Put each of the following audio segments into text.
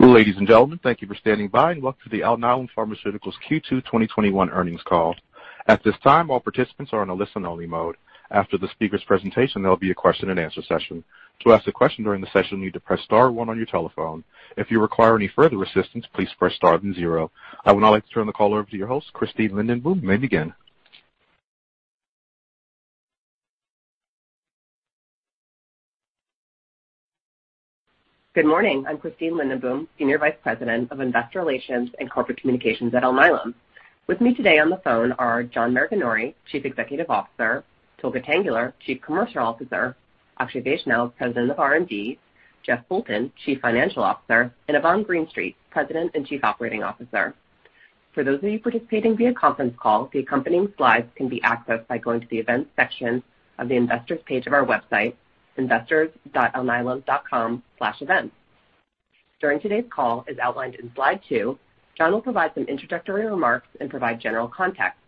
Ladies and gentlemen, thank you for standing by and welcome to the Alnylam Pharmaceuticals Q2 2021 earnings call. At this time, all participants are on a listen-only mode. After the speaker's presentation, there'll be a question-and-answer session. To ask a question during the session, you need to press star one on your telephone. If you require any further assistance, please press star then zero. I would now like to turn the call over to your host, Christine Lindenboom, and beginning. Good morning. I'm Christine Lindenboom, Senior Vice President of Investor Relations and Corporate Communications at Alnylam. With me today on the phone are John Maraganore, Chief Executive Officer; Tolga Tanguler, Chief Commercial Officer; Akshay Vaishnaw, President of R&D; Jeff Poulton, Chief Financial Officer; and Yvonne Greenstreet, President and Chief Operating Officer. For those of you participating via conference call, the accompanying slides can be accessed by going to the events section of the investors page of our website, investors.alnylam.com/events. During today's call, as outlined in slide two, John will provide some introductory remarks and provide general context.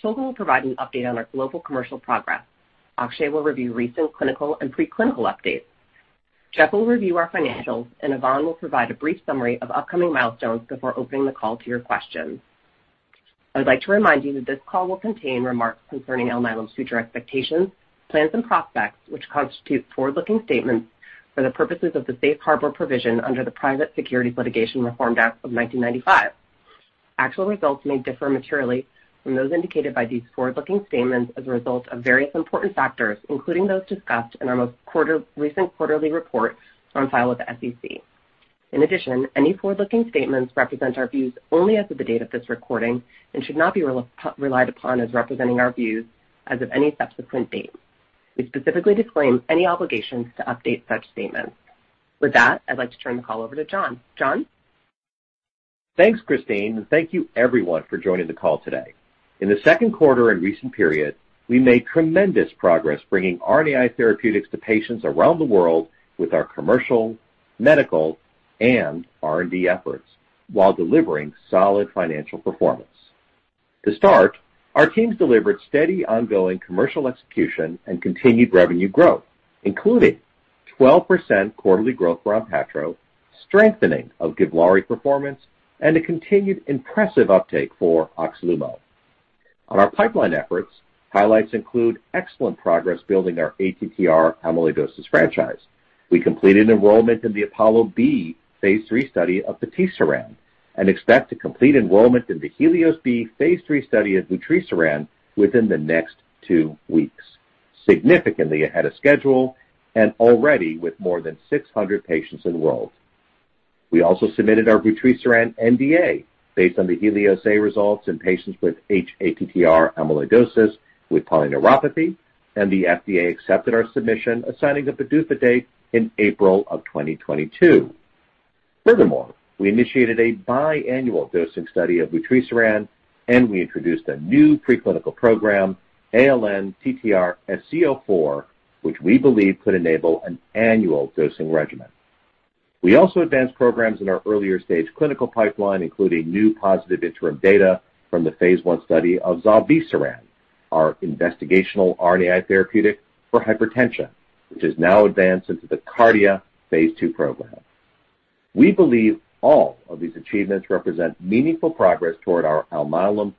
Tolga will provide an update on our global commercial progress. Akshay will review recent clinical and preclinical updates. Jeff will review our financials, and Yvonne will provide a brief summary of upcoming milestones before opening the call to your questions. I would like to remind you that this call will contain remarks concerning Alnylam's future expectations, plans, and prospects, which constitute forward-looking statements for the purposes of the Safe Harbor Provision under the Private Securities Litigation Reform Act of 1995. Actual results may differ materially from those indicated by these forward-looking statements as a result of various important factors, including those discussed in our most recent quarterly report on file with the SEC. In addition, any forward-looking statements represent our views only as of the date of this recording and should not be relied upon as representing our views as of any subsequent date. We specifically disclaim any obligations to update such statements. With that, I'd like to turn the call over to John. John? Thanks, Christine, and thank you everyone for joining the call today. In the second quarter and recent period, we made tremendous progress bringing RNAi therapeutics to patients around the world with our commercial, medical, and R&D efforts while delivering solid financial performance. To start, our teams delivered steady ongoing commercial execution and continued revenue growth, including 12% quarterly growth for Onpattro, strengthening of Givlaari performance, and a continued impressive uptake for Oxlumo. On our pipeline efforts, highlights include excellent progress building our ATTR amyloidosis franchise. We completed enrollment in the APOLLO-B phase III study of patisiran, and expect to complete enrollment in the HELIOS-B phase III study of vutrisiran within the next two weeks, significantly ahead of schedule and already with more than 600 patients enrolled. We also submitted our vutrisiran NDA based on the HELIOS-A results in patients with hATTR amyloidosis with polyneuropathy, and the FDA accepted our submission, assigning a PDUFA date in April of 2022. Furthermore, we initiated a biannual dosing study of vutrisiran, and we introduced a new preclinical program, ALN-TTRsc04, which we believe could enable an annual dosing regimen. We also advanced programs in our earlier stage clinical pipeline, including new positive interim data from the phase I study of zilebesiran, our investigational RNAi therapeutic for hypertension, which is now advanced into the KARDIA phase II program. We believe all of these achievements represent meaningful progress toward our Alnylam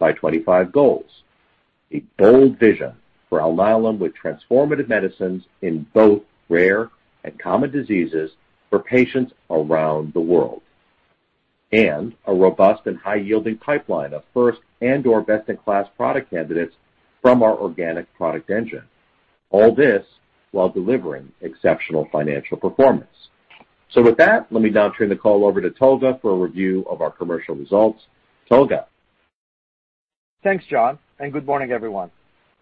P5x25 goals, a bold vision for Alnylam with transformative medicines in both rare and common diseases for patients around the world, and a robust and high-yielding pipeline of first and/or best-in-class product candidates from our organic product engine, all this while delivering exceptional financial performance. So with that, let me now turn the call over to Tolga for a review of our commercial results. Tolga. Thanks, John, and good morning, everyone.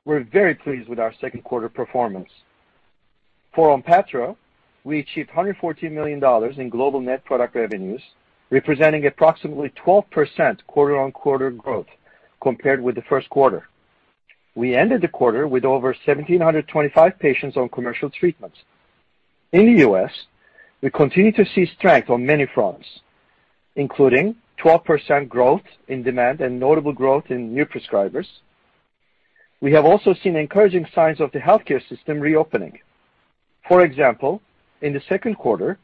We're very pleased with our second quarter performance. For Onpattro, we achieved $114 million in global net product revenues, representing approximately 12% quarter-on-quarter growth compared with the first quarter. We ended the quarter with over 1,725 patients on commercial treatments. In the U.S., we continue to see strength on many fronts, including 12% growth in demand and notable growth in new prescribers. We have also seen encouraging signs of the healthcare system reopening. For example, in the second quarter,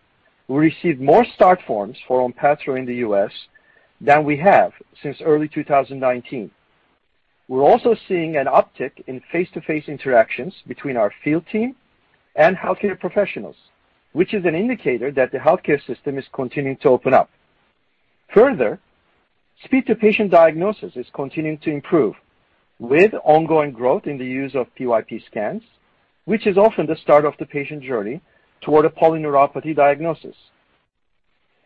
we received more start forms for Onpattro in the U.S. than we have since early 2019. We're also seeing an uptick in face-to-face interactions between our field team and healthcare professionals, which is an indicator that the healthcare system is continuing to open up. Further, speed to patient diagnosis is continuing to improve with ongoing growth in the use of PYP scans, which is often the start of the patient journey toward a polyneuropathy diagnosis.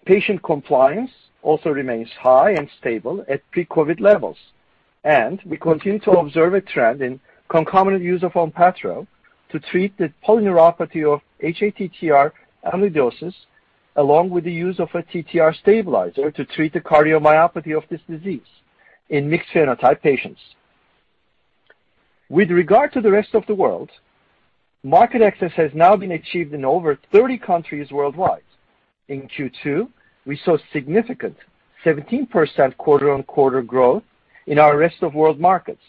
Patient compliance also remains high and stable at pre-COVID levels, and we continue to observe a trend in concomitant use of Onpattro to treat the polyneuropathy of hATTR amyloidosis, along with the use of a TTR stabilizer to treat the cardiomyopathy of this disease in mixed phenotype patients. With regard to the rest of the world, market access has now been achieved in over 30 countries worldwide. In Q2, we saw significant 17% quarter-on-quarter growth in our rest of world markets,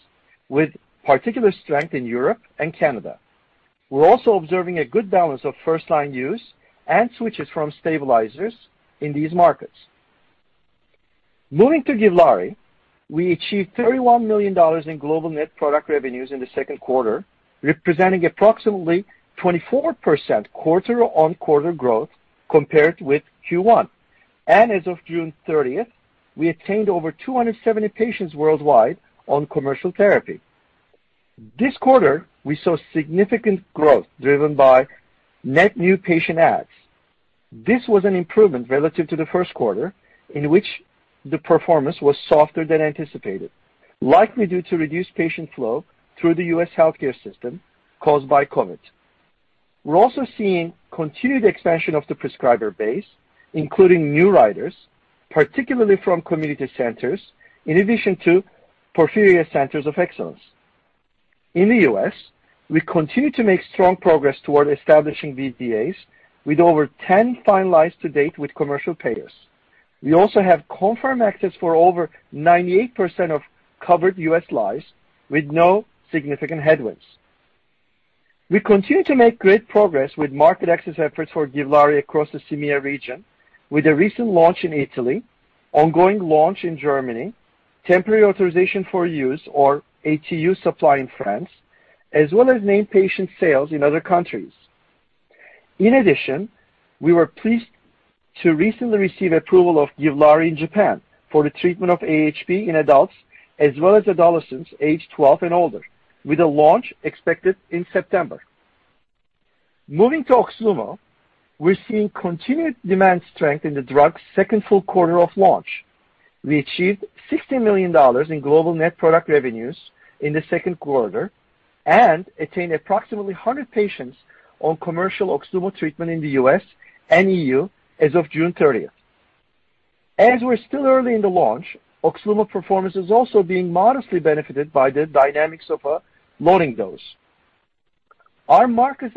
with particular strength in Europe and Canada. We're also observing a good balance of first-line use and switches from stabilizers in these markets. Moving to Givlaari, we achieved $31 million in global net product revenues in the second quarter, representing approximately 24% quarter-on-quarter growth compared with Q1. As of June 30th, we attained over 270 patients worldwide on commercial therapy. This quarter, we saw significant growth driven by net new patient adds. This was an improvement relative to the first quarter, in which the performance was softer than anticipated, likely due to reduced patient flow through the U.S. healthcare system caused by COVID. We're also seeing continued expansion of the prescriber base, including new writers, particularly from community centers, in addition to Porphyria Centers of Excellence. In the U.S., we continue to make strong progress toward establishing VBAs with over 10 finalized to date with commercial payers. We also have confirmed access for over 98% of covered U.S. lives with no significant headwinds. We continue to make great progress with market access efforts for Givlaari across the EMEA region, with a recent launch in Italy, ongoing launch in Germany, temporary authorization for use, or ATU supply in France, as well as named patient sales in other countries. In addition, we were pleased to recently receive approval of Givlaari in Japan for the treatment of AHP in adults as well as adolescents aged 12 and older, with a launch expected in September. Moving to Oxlumo, we're seeing continued demand strength in the drug's second full quarter of launch. We achieved $16 million in global net product revenues in the second quarter and attained approximately 100 patients on commercial Oxlumo treatment in the U.S. and EU as of June 30th. As we're still early in the launch, Oxlumo performance is also being modestly benefited by the dynamics of a loading dose. Our market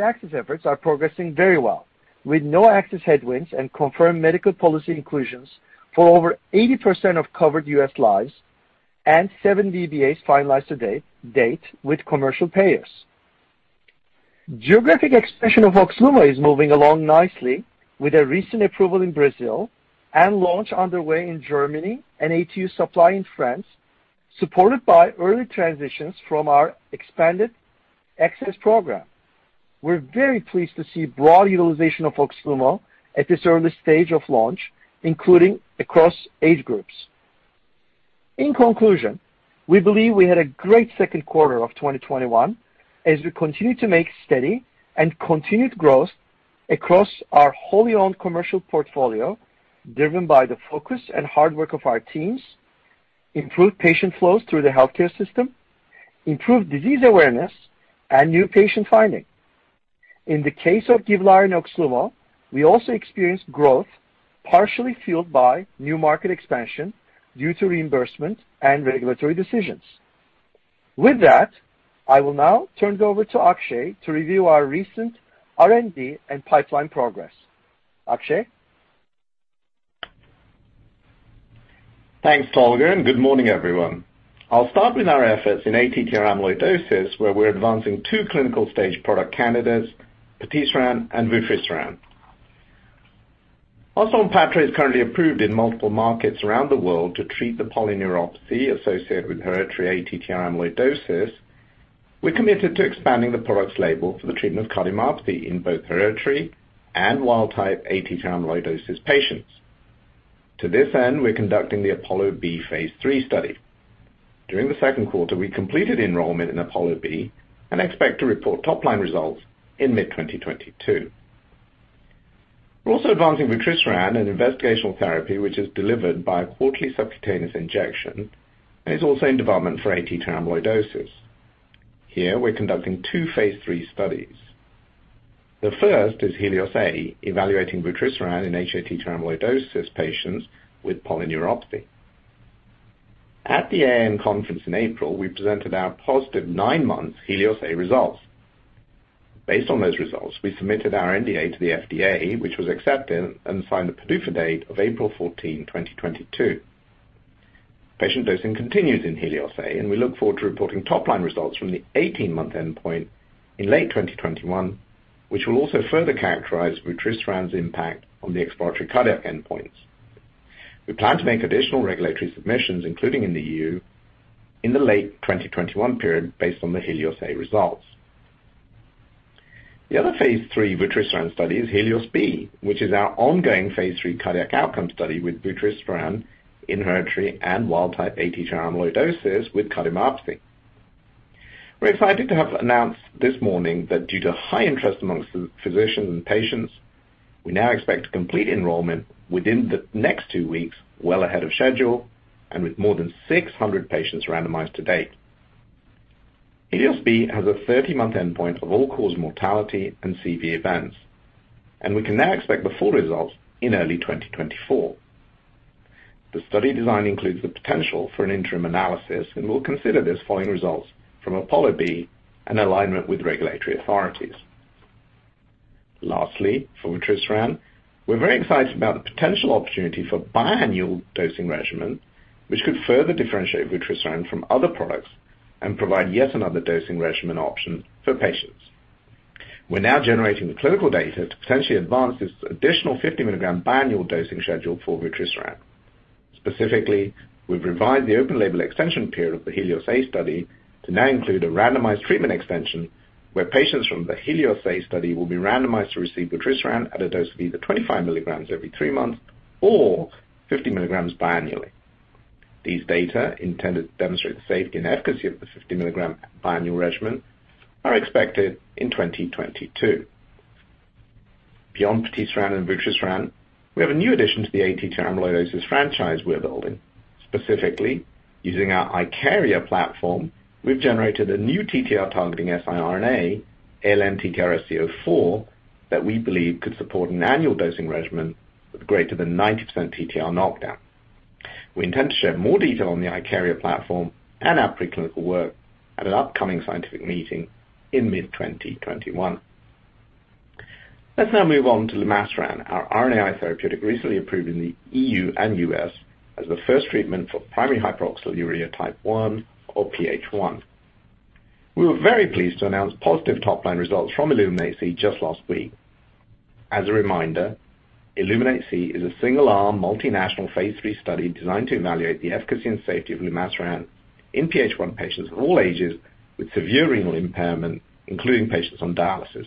access efforts are progressing very well, with no access headwinds and confirmed medical policy inclusions for over 80% of covered U.S. lives and seven VBAs finalized to date with commercial payers. Geographic expansion of Oxlumo is moving along nicely, with a recent approval in Brazil and launch underway in Germany and ATU supply in France, supported by early transitions from our expanded access program. We're very pleased to see broad utilization of Oxlumo at this early stage of launch, including across age groups. In conclusion, we believe we had a great second quarter of 2021 as we continue to make steady and continued growth across our wholly owned commercial portfolio, driven by the focus and hard work of our teams, improved patient flows through the healthcare system, improved disease awareness, and new patient finding. In the case of Givlaari and Oxlumo, we also experienced growth partially fueled by new market expansion due to reimbursement and regulatory decisions. With that, I will now turn it over to Akshay to review our recent R&D and pipeline progress. Akshay. Thanks, Tolga, and good morning, everyone. I'll start with our efforts in ATTR amyloidosis, where we're advancing two clinical-stage product candidates, patisiran and vutrisiran. While Onpattro is currently approved in multiple markets around the world to treat the polyneuropathy associated with hereditary ATTR amyloidosis, we're committed to expanding the product's label for the treatment of cardiomyopathy in both hereditary and wild-type ATTR amyloidosis patients. To this end, we're conducting the APOLLO-B phase III study. During the second quarter, we completed enrollment in APOLLO-B and expect to report top-line results in mid-2022. We're also advancing vutrisiran, an investigational therapy, which is delivered by a quarterly subcutaneous injection and is also in development for ATTR amyloidosis. Here, we're conducting two phase III studies. The first is HELIOS-A, evaluating vutrisiran in hATTR amyloidosis patients with polyneuropathy. At the AAN conference in April, we presented our positive nine-month HELIOS-A results. Based on those results, we submitted our NDA to the FDA, which was accepted and set the PDUFA date of April 14, 2022. Patient dosing continues in HELIOS-A, and we look forward to reporting top-line results from the 18-month endpoint in late 2021, which will also further characterize vutrisiran's impact on the exploratory cardiac endpoints. We plan to make additional regulatory submissions, including in the EU, in the late 2021 period based on the HELIOS-A results. The other phase III vutrisiran study is HELIOS-B, which is our ongoing phase III cardiac outcome study with vutrisiran in hereditary and wild-type ATTR amyloidosis with cardiomyopathy. We're excited to have announced this morning that due to high interest among physicians and patients, we now expect complete enrollment within the next two weeks, well ahead of schedule and with more than 600 patients randomized to date. HELIOS-B has a 30-month endpoint of all-cause mortality and CV events, and we can now expect the full results in early 2024. The study design includes the potential for an interim analysis, and we'll consider this following results from APOLLO-B and alignment with regulatory authorities. Lastly, for vutrisiran, we're very excited about the potential opportunity for biannual dosing regimen, which could further differentiate vutrisiran from other products and provide yet another dosing regimen option for patients. We're now generating the clinical data to potentially advance this additional 50 milligram biannual dosing schedule for vutrisiran. Specifically, we've revised the open label extension period of the HELIOS-A study to now include a randomized treatment extension where patients from the HELIOS-A study will be randomized to receive vutrisiran at a dose of either 25 mg every three months or 50 mg biannually. These data, intended to demonstrate the safety and efficacy of the 50 mg biannual regimen, are expected in 2022. Beyond patisiran and vutrisiran, we have a new addition to the ATTR amyloidosis franchise we're building. Specifically, using our IKARIA platform, we've generated a new TTR-targeting siRNA, ALN-TTRsc04, that we believe could support an annual dosing regimen with greater than 90% TTR knockdown. We intend to share more detail on the IKARIA platform and our pre-clinical work at an upcoming scientific meeting in mid-2021. Let's now move on to lumasiran, our RNAi therapeutic recently approved in the EU and U.S. as the first treatment for primary hyperoxaluria type 1 or PH1. We were very pleased to announce positive top-line results from ILLUMINATE-C just last week. As a reminder, ILLUMINATE-C is a single-arm multinational phase III study designed to evaluate the efficacy and safety of lumasiran in PH1 patients of all ages with severe renal impairment, including patients on dialysis.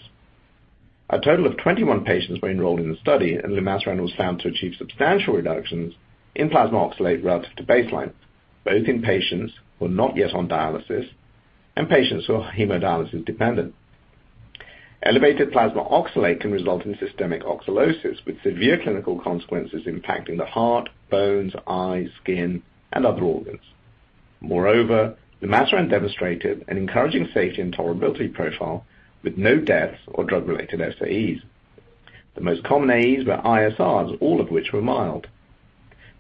A total of 21 patients were enrolled in the study, and lumasiran was found to achieve substantial reductions in plasma oxalate relative to baseline, both in patients who are not yet on dialysis and patients who are hemodialysis dependent. Elevated plasma oxalate can result in systemic oxalosis, with severe clinical consequences impacting the heart, bones, eyes, skin, and other organs. Moreover, lumasiran demonstrated an encouraging safety and tolerability profile with no deaths or drug-related SAEs. The most common AEs were ISRs, all of which were mild.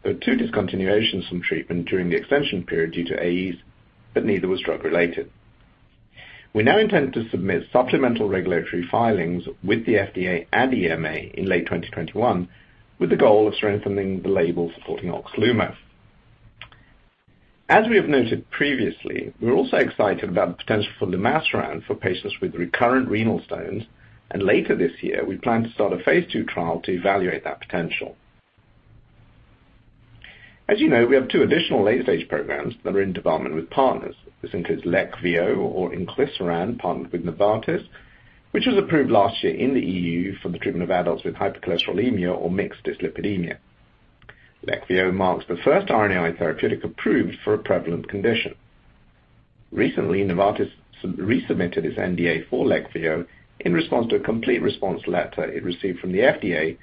There were two discontinuations from treatment during the extension period due to AEs, but neither was drug-related. We now intend to submit supplemental regulatory filings with the FDA and EMA in late 2021, with the goal of strengthening the label supporting Oxlumo. As we have noted previously, we're also excited about the potential for lumasiran for patients with recurrent renal stones, and later this year, we plan to start a phase II trial to evaluate that potential. As you know, we have two additional late-stage programs that are in development with partners. This includes Leqvio, or inclisiran, partnered with Novartis, which was approved last year in the EU for the treatment of adults with hypercholesterolemia or mixed dyslipidemia. Leqvio marks the first RNAi therapeutic approved for a prevalent condition. Recently, Novartis resubmitted its NDA for Leqvio in response to a complete response letter it received from the FDA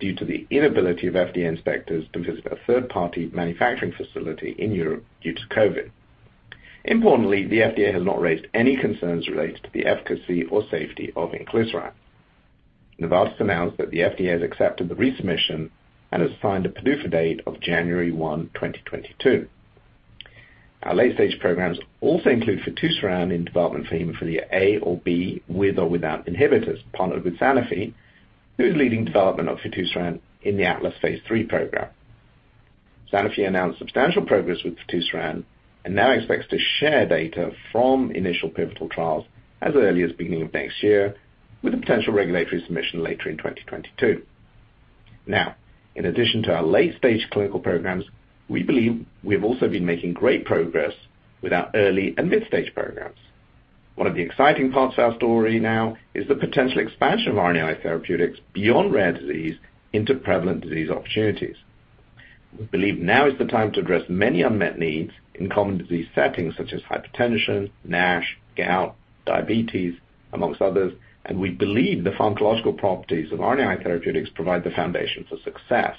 due to the inability of FDA inspectors to visit a third-party manufacturing facility in Europe due to COVID. Importantly, the FDA has not raised any concerns related to the efficacy or safety of inclisiran. Novartis announced that the FDA has accepted the resubmission and has assigned a PDUFA date of January 1, 2022. Our late-stage programs also include fitusiran in development for hemophilia A or B with or without inhibitors, partnered with Sanofi, who is leading development of fitusiran in the ATLAS phase III program. Sanofi announced substantial progress with fitusiran and now expects to share data from initial pivotal trials as early as beginning of next year, with a potential regulatory submission later in 2022. Now, in addition to our late-stage clinical programs, we believe we have also been making great progress with our early and mid-stage programs. One of the exciting parts of our story now is the potential expansion of RNAi therapeutics beyond rare disease into prevalent disease opportunities. We believe now is the time to address many unmet needs in common disease settings such as hypertension, NASH, gout, diabetes, among others, and we believe the pharmacological properties of RNAi therapeutics provide the foundation for success.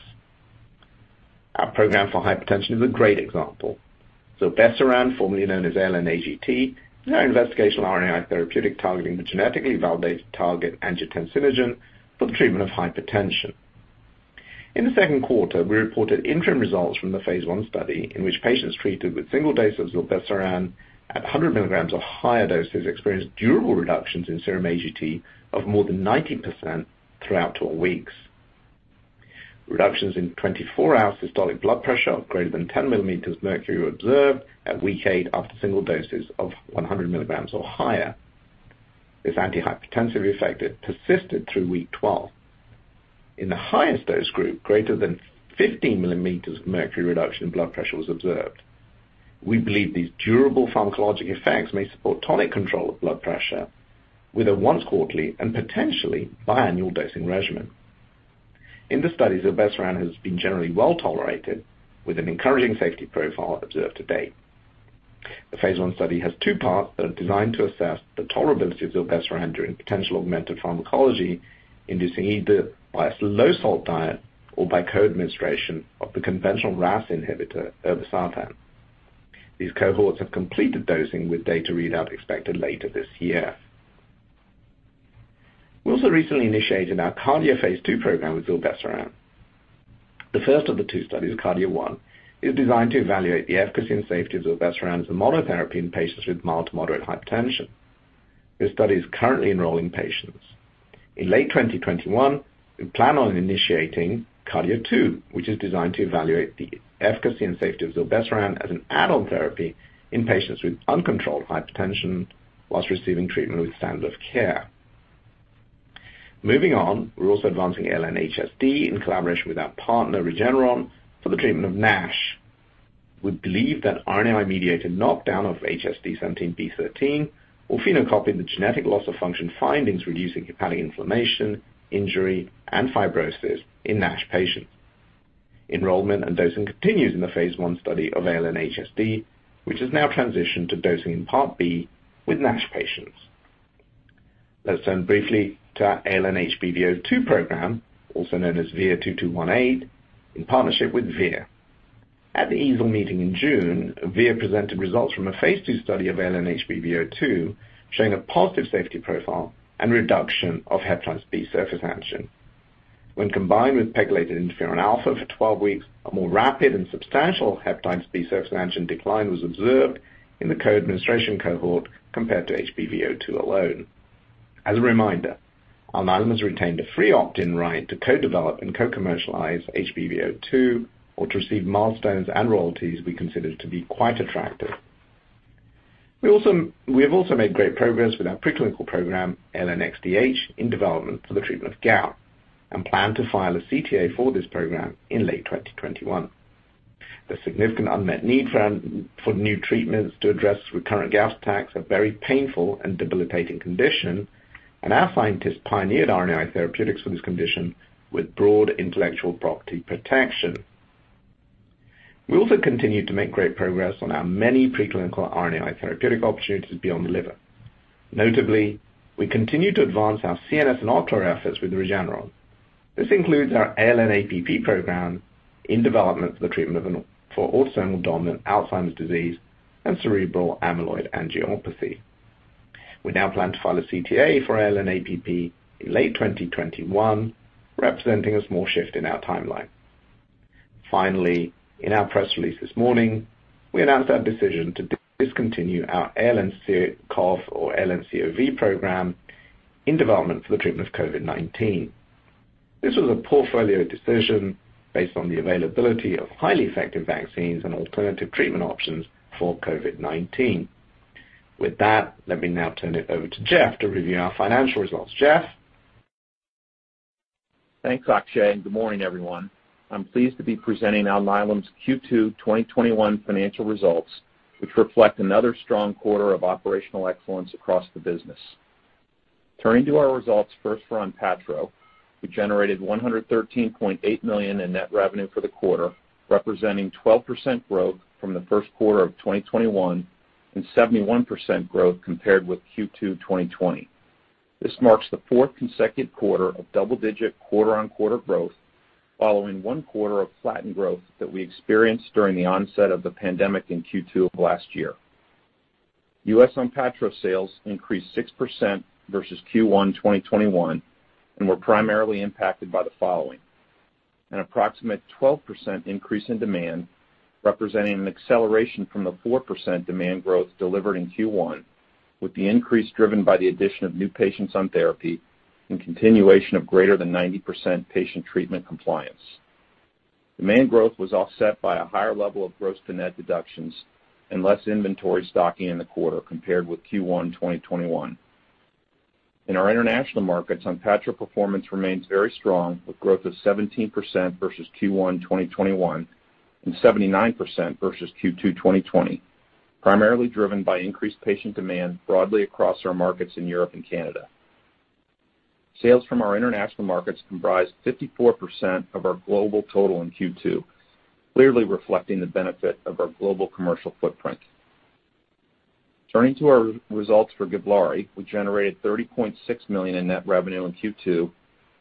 Our program for hypertension is a great example. Zilebesiran, formerly known as ALN-AGT, is our investigational RNAi therapeutic targeting the genetically validated target angiotensinogen for the treatment of hypertension. In the second quarter, we reported interim results from the phase I study in which patients treated with single dose of zilebesiran at 100 milligrams or higher doses experienced durable reductions in serum AGT of more than 90% throughout 12 weeks. Reductions in 24-hour systolic blood pressure of greater than 10 millimeters of mercury were observed at week eight after single doses of 100 milligrams or higher. This antihypertensive effect persisted through week 12. In the highest dose group, greater than 15 millimeters of mercury reduction in blood pressure was observed. We believe these durable pharmacologic effects may support tonic control of blood pressure with a once-quarterly and potentially biannual dosing regimen. In the studies, zilebesiran has been generally well tolerated with an encouraging safety profile observed to date. The phase I study has two parts that are designed to assess the tolerability of zilebesiran during potential augmented pharmacology inducing either by a low-salt diet or by co-administration of the conventional RAAS inhibitor, irbesartan. These cohorts have completed dosing with data readout expected later this year. We also recently initiated our KARDIA phase II program with zilebesiran. The first of the two studies, KARDIA-1, is designed to evaluate the efficacy and safety of zilebesiran as a monotherapy in patients with mild to moderate hypertension. This study is currently enrolling patients. In late 2021, we plan on initiating KARDIA-2, which is designed to evaluate the efficacy and safety of zilebesiran as an add-on therapy in patients with uncontrolled hypertension while receiving treatment with standard of care. Moving on, we're also advancing ALN-HSD in collaboration with our partner, Regeneron, for the treatment of NASH. We believe that RNAi-mediated knockdown of HSD17B13 will phenocopy the genetic loss of function findings, reducing hepatic inflammation, injury, and fibrosis in NASH patients. Enrollment and dosing continues in the phase I study of ALN-HSD, which has now transitioned to dosing in Part B with NASH patients. Let's turn briefly to our ALN-HBV02 program, also known as VIR-2218, in partnership with Vir Biotechnology. At the EASL meeting in June, Vir Biotechnology presented results from a phase II study of ALN-HBV02 showing a positive safety profile and reduction of hepatitis B surface antigen. When combined with pegylated interferon alpha for 12 weeks, a more rapid and substantial hepatitis B surface antigen decline was observed in the co-administration cohort compared to HBV02 alone. As a reminder, Alnylam has retained a free opt-in right to co-develop and co-commercialize HBV02 or to receive milestones and royalties we consider to be quite attractive. We have also made great progress with our pre-clinical program, ALN-XDH, in development for the treatment of gout and plan to file a CTA for this program in late 2021. The significant unmet need for new treatments to address recurrent gout attacks is a very painful and debilitating condition, and our scientists pioneered RNAi therapeutics for this condition with broad intellectual property protection. We also continue to make great progress on our many pre-clinical RNAi therapeutic opportunities beyond the liver. Notably, we continue to advance our CNS and ocular efforts with Regeneron. This includes our ALN-APP program in development for the treatment of autosomal dominant Alzheimer's disease and cerebral amyloid angiopathy. We now plan to file a CTA for ALN-APP in late 2021, representing a small shift in our timeline. Finally, in our press release this morning, we announced our decision to discontinue our ALN-COV or ALN-COV program in development for the treatment of COVID-19. This was a portfolio decision based on the availability of highly effective vaccines and alternative treatment options for COVID-19. With that, let me now turn it over to Jeff to review our financial results. Jeff? Thanks, Akshay. And good morning, everyone. I'm pleased to be presenting Alnylam's Q2 2021 financial results, which reflect another strong quarter of operational excellence across the business. Turning to our results first for Onpattro, we generated $113.8 million in net revenue for the quarter, representing 12% growth from the first quarter of 2021 and 71% growth compared with Q2 2020. This marks the fourth consecutive quarter of double-digit quarter-on-quarter growth, following one quarter of flattened growth that we experienced during the onset of the pandemic in Q2 of last year. U.S. Onpattro sales increased 6% versus Q1 2021 and were primarily impacted by the following: an approximate 12% increase in demand, representing an acceleration from the 4% demand growth delivered in Q1, with the increase driven by the addition of new patients on therapy and continuation of greater than 90% patient treatment compliance. Demand growth was offset by a higher level of gross to net deductions and less inventory stocking in the quarter compared with Q1 2021. In our international markets, Onpattro performance remains very strong, with growth of 17% versus Q1 2021 and 79% versus Q2 2020, primarily driven by increased patient demand broadly across our markets in Europe and Canada. Sales from our international markets comprised 54% of our global total in Q2, clearly reflecting the benefit of our global commercial footprint. Turning to our results for Givlaari, we generated $30.6 million in net revenue in Q2,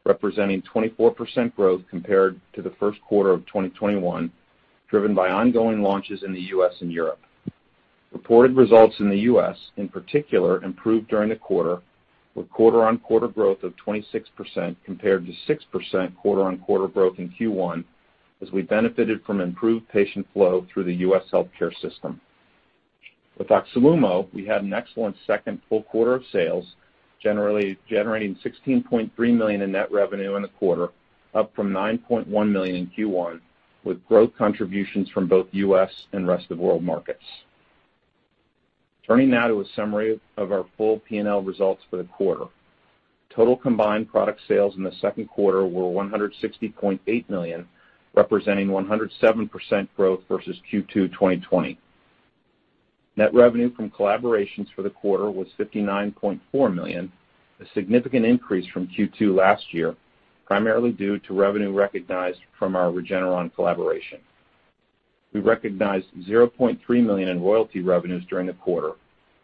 representing 24% growth compared to the first quarter of 2021, driven by ongoing launches in the U.S. and Europe. Reported results in the U.S., in particular, improved during the quarter, with quarter-on-quarter growth of 26% compared to 6% quarter-on-quarter growth in Q1, as we benefited from improved patient flow through the U.S. healthcare system. With Oxlumo, we had an excellent second full quarter of sales, generating $16.3 million in net revenue in the quarter, up from $9.1 million in Q1, with growth contributions from both U.S. and rest of world markets. Turning now to a summary of our full P&L results for the quarter, total combined product sales in the second quarter were $160.8 million, representing 107% growth versus Q2 2020. Net revenue from collaborations for the quarter was $59.4 million, a significant increase from Q2 last year, primarily due to revenue recognized from our Regeneron collaboration. We recognized $0.3 million in royalty revenues during the quarter,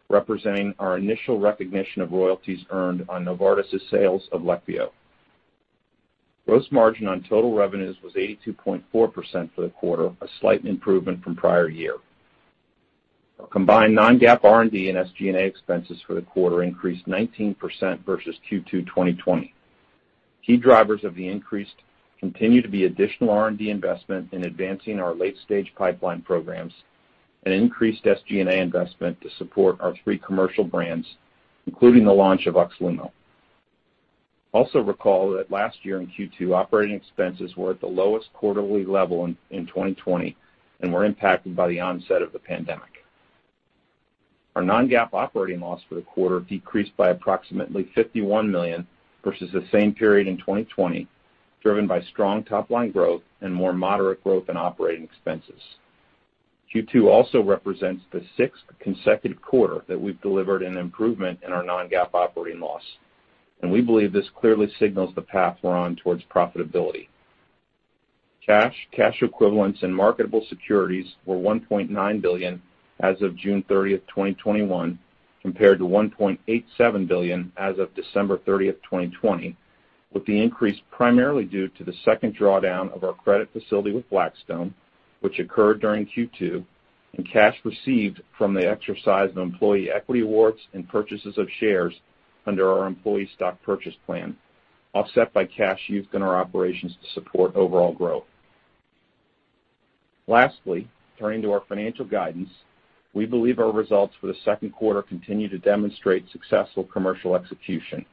representing our initial recognition of royalties earned on Novartis's sales of Leqvio. Gross margin on total revenues was 82.4% for the quarter, a slight improvement from prior year. Our combined non-GAAP R&D and SG&A expenses for the quarter increased 19% versus Q2 2020. Key drivers of the increase continue to be additional R&D investment in advancing our late-stage pipeline programs and increased SG&A investment to support our three commercial brands, including the launch of Oxlumo. Also recall that last year in Q2, operating expenses were at the lowest quarterly level in 2020 and were impacted by the onset of the pandemic. Our non-GAAP operating loss for the quarter decreased by approximately $51 million versus the same period in 2020, driven by strong top-line growth and more moderate growth in operating expenses. Q2 also represents the sixth consecutive quarter that we've delivered an improvement in our non-GAAP operating loss, and we believe this clearly signals the path we're on towards profitability. Cash, cash equivalents, and marketable securities were $1.9 billion as of June 30, 2021, compared to $1.87 billion as of December 30, 2020, with the increase primarily due to the second drawdown of our credit facility with Blackstone, which occurred during Q2, and cash received from the exercise of employee equity awards and purchases of shares under our employee stock purchase plan, offset by cash used in our operations to support overall growth. Lastly, turning to our financial guidance, we believe our results for the second quarter continue to demonstrate successful commercial execution.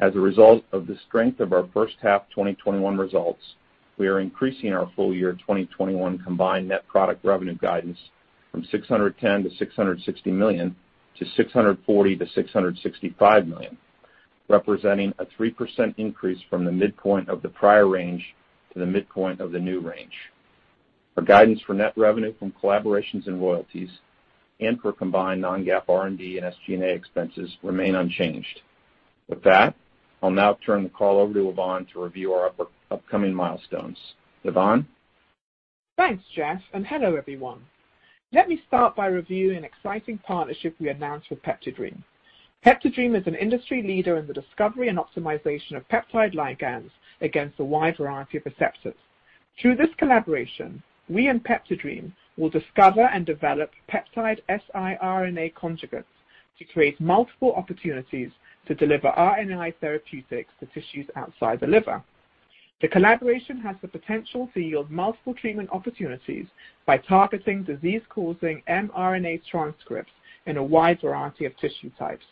As a result of the strength of our first half 2021 results, we are increasing our full year 2021 combined net product revenue guidance from $610-$660 million to $640-$665 million, representing a 3% increase from the midpoint of the prior range to the midpoint of the new range. Our guidance for net revenue from collaborations and royalties and for combined non-GAAP R&D and SG&A expenses remain unchanged. With that, I'll now turn the call over to Yvonne to review our upcoming milestones. Yvonne? Thanks, Jeff, and hello, everyone. Let me start by reviewing an exciting partnership we announced with PeptiDream. PeptiDream is an industry leader in the discovery and optimization of peptide ligands against a wide variety of receptors. Through this collaboration, we and PeptiDream will discover and develop peptide siRNA conjugates to create multiple opportunities to deliver RNAi therapeutics to tissues outside the liver. The collaboration has the potential to yield multiple treatment opportunities by targeting disease-causing mRNA transcripts in a wide variety of tissue types.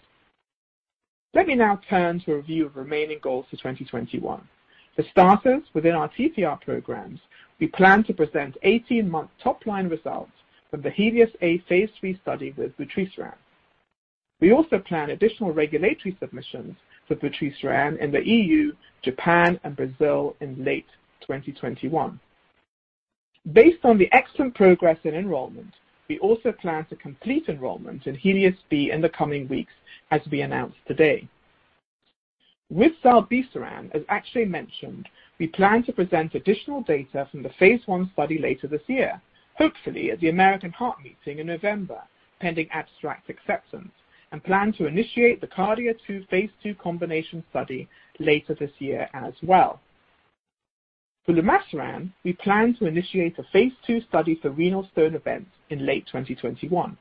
Let me now turn to a review of remaining goals for 2021. For starters, within our TTR programs, we plan to present 18-month top-line results from the HELIOS-A phase III study with vutrisiran. We also plan additional regulatory submissions for vutrisiran in the EU, Japan, and Brazil in late 2021. Based on the excellent progress in enrollment, we also plan to complete enrollment in HELIOS-B in the coming weeks, as we announced today. With zilebesiran, as Akshay mentioned, we plan to present additional data from the phase I study later this year, hopefully at the American Heart Meeting in November, pending abstract acceptance, and plan to initiate the KARDIA-2 phase II combination study later this year as well. For lumasiran, we plan to initiate a phase II study for renal stone events in late 2021.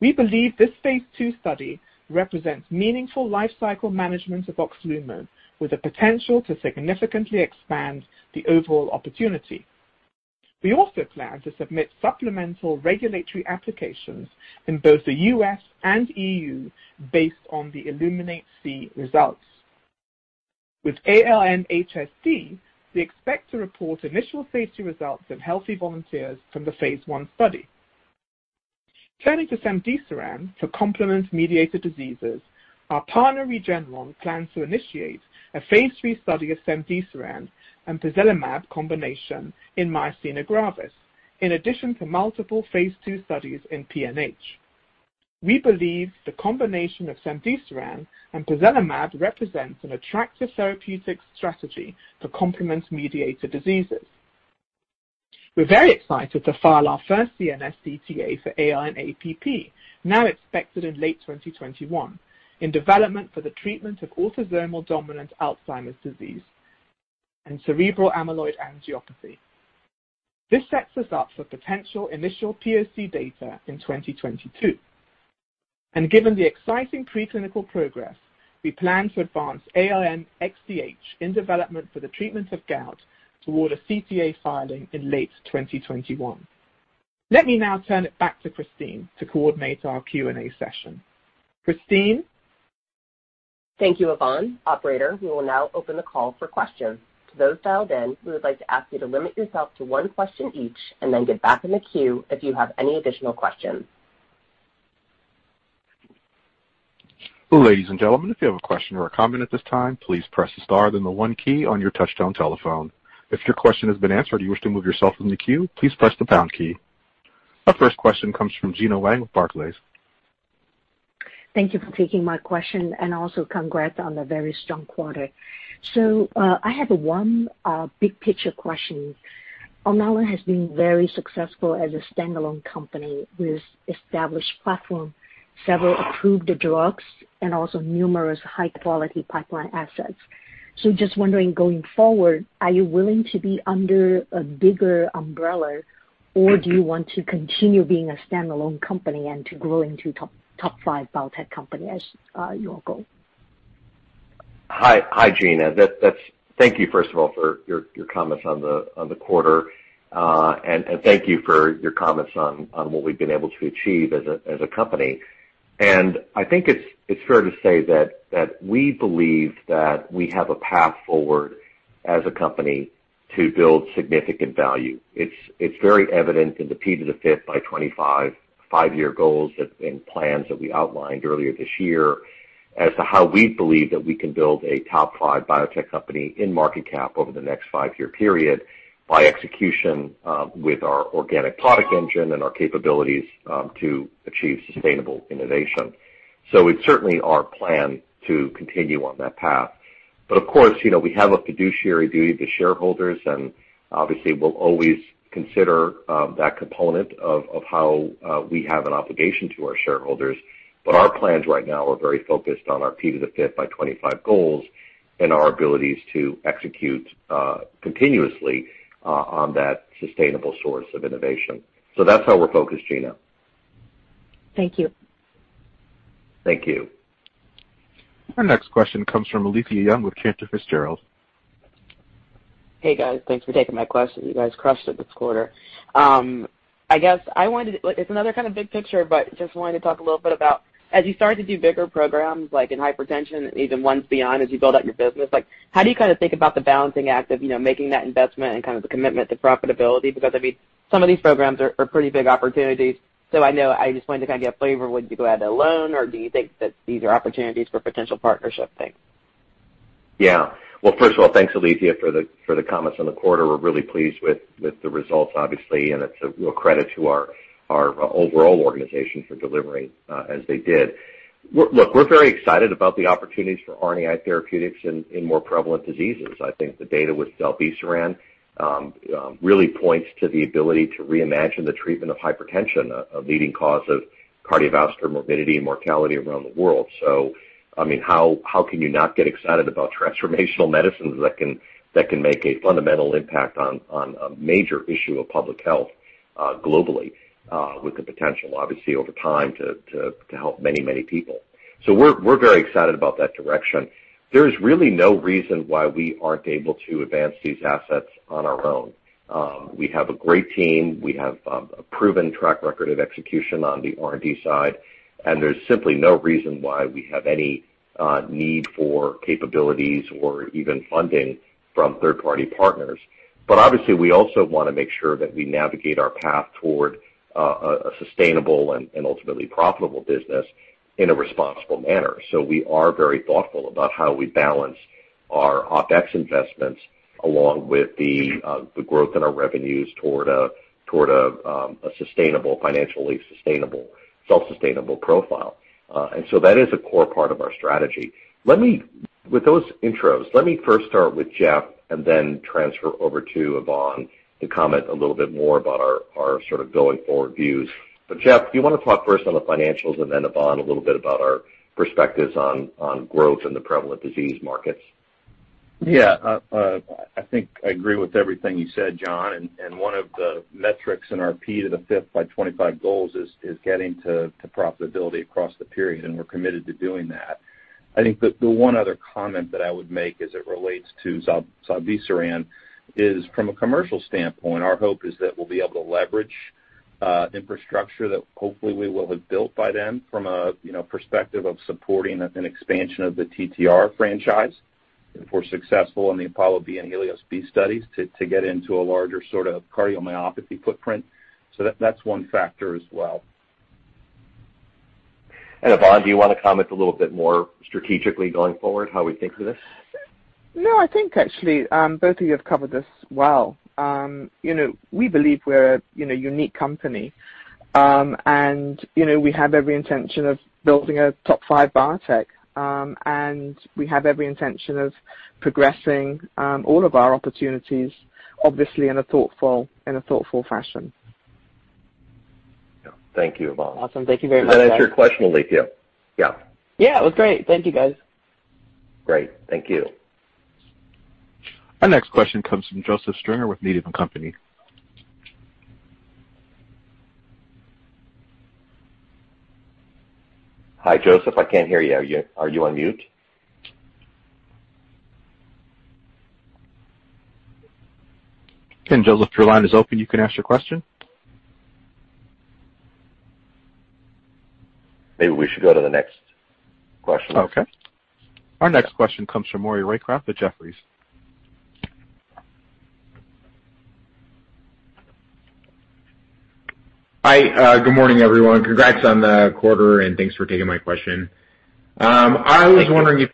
We believe this phase II study represents meaningful lifecycle management of Oxlumo, with the potential to significantly expand the overall opportunity. We also plan to submit supplemental regulatory applications in both the U.S. and EU based on the ILLUMINATE-C results. With ALN-HSD, we expect to report initial safety results and healthy volunteers from the phase I study. Turning to cemdisiran for complement-mediated diseases, our partner, Regeneron, plans to initiate a phase III study of cemdisiran and pozelimab combination in myasthenia gravis, in addition to multiple phase II studies in PNH. We believe the combination of cemdisiran and pozelimab represents an attractive therapeutic strategy for complement-mediated diseases. We're very excited to file our first CNS CTA for ALN-APP, now expected in late 2021, in development for the treatment of autosomal dominant Alzheimer's disease and cerebral amyloid angiopathy. This sets us up for potential initial POC data in 2022. And given the exciting pre-clinical progress, we plan to advance ALN-XDH in development for the treatment of gout toward a CTA filing in late 2021. Let me now turn it back to Christine to coordinate our Q&A session. Christine? Thank you, Yvonne. Operator, we will now open the call for questions. To those dialed in, we would like to ask you to limit yourself to one question each and then get back in the queue if you have any additional questions. Ladies and gentlemen, if you have a question or a comment at this time, please press the star then the one key on your touch-tone telephone. If your question has been answered and you wish to move yourself in the queue, please press the pound key. Our first question comes from Gena Wang with Barclays. Thank you for taking my question and also congrats on the very strong quarter. So I have one big picture question. Alnylam has been very successful as a standalone company with established platform, several approved drugs, and also numerous high-quality pipeline assets. So just wondering, going forward, are you willing to be under a bigger umbrella, or do you want to continue being a standalone company and to grow into top five biotech company as your goal? Hi, Gina. Thank you, first of all, for your comments on the quarter, and thank you for your comments on what we've been able to achieve as a company. And I think it's fair to say that we believe that we have a path forward as a company to build significant value. It's very evident in the P5x25 five-year goals and plans that we outlined earlier this year as to how we believe that we can build a top five biotech company in market cap over the next five-year period by execution with our organic product engine and our capabilities to achieve sustainable innovation. So it's certainly our plan to continue on that path. But of course, we have a fiduciary duty to shareholders, and obviously, we'll always consider that component of how we have an obligation to our shareholders. But our plans right now are very focused on our P5x25 goals and our abilities to execute continuously on that sustainable source of innovation. So that's how we're focused, Gina. Thank you. Thank you. Our next question comes from Alethia Young with Cantor Fitzgerald. Hey, guys. Thanks for taking my question. You guys crushed it this quarter. I guess I wanted to, it's another kind of big picture, but just wanted to talk a little bit about, as you start to do bigger programs like in hypertension and even ones beyond, as you build out your business, how do you kind of think about the balancing act of making that investment and kind of the commitment to profitability? Because, I mean, some of these programs are pretty big opportunities. So I know I just wanted to kind of get a flavor: would you go at it alone, or do you think that these are opportunities for potential partnership things? Yeah. Well, first of all, thanks, Alethea, for the comments on the quarter. We're really pleased with the results, obviously, and it's a real credit to our overall organization for delivering as they did. Look, we're very excited about the opportunities for RNAi therapeutics in more prevalent diseases. I think the data with zilebesiran really points to the ability to reimagine the treatment of hypertension, a leading cause of cardiovascular morbidity and mortality around the world, so I mean, how can you not get excited about transformational medicines that can make a fundamental impact on a major issue of public health globally, with the potential, obviously, over time to help many, many people, so we're very excited about that direction. There is really no reason why we aren't able to advance these assets on our own. We have a great team. We have a proven track record of execution on the R&D side, and there's simply no reason why we have any need for capabilities or even funding from third-party partners, but obviously, we also want to make sure that we navigate our path toward a sustainable and ultimately profitable business in a responsible manner. So we are very thoughtful about how we balance our OpEx investments along with the growth in our revenues toward a sustainable, financially self-sustainable profile. And so that is a core part of our strategy. With those intros, let me first start with Jeff and then transfer over to Yvonne to comment a little bit more about our sort of going forward views. But Jeff, do you want to talk first on the financials and then Yvonne a little bit about our perspectives on growth in the prevalent disease markets? Yeah. I think I agree with everything you said, John. And one of the metrics in our P5x25 goals is getting to profitability across the period, and we're committed to doing that. I think the one other comment that I would make as it relates to zilebesiran is, from a commercial standpoint, our hope is that we'll be able to leverage infrastructure that hopefully we will have built by then from a perspective of supporting an expansion of the TTR franchise if we're successful in the APOLLO-B and HELIOS-B studies to get into a larger sort of cardiomyopathy footprint. So that's one factor as well. And Yvonne, do you want to comment a little bit more strategically going forward, how we think of this? No, I think actually both of you have covered this well. We believe we're a unique company, and we have every intention of building a top five biotech, and we have every intention of progressing all of our opportunities, obviously, in a thoughtful fashion. Thank you, Yvonne. Awesome. Thank you very much, guys. That answered your question, Alethea. Yeah. Yeah. It was great. Thank you, guys. Great. Thank you. Our next question comes from Joseph Stringer with Needham & Company. Hi, Joseph. I can't hear you. Are you on mute? And Joseph, your line is open. You can ask your question. Maybe we should go to the next question. Okay. Our next question comes from Maury Raycroft with Jefferies. Hi. Good morning, everyone. Congrats on the quarter, and thanks for taking my question. I was wondering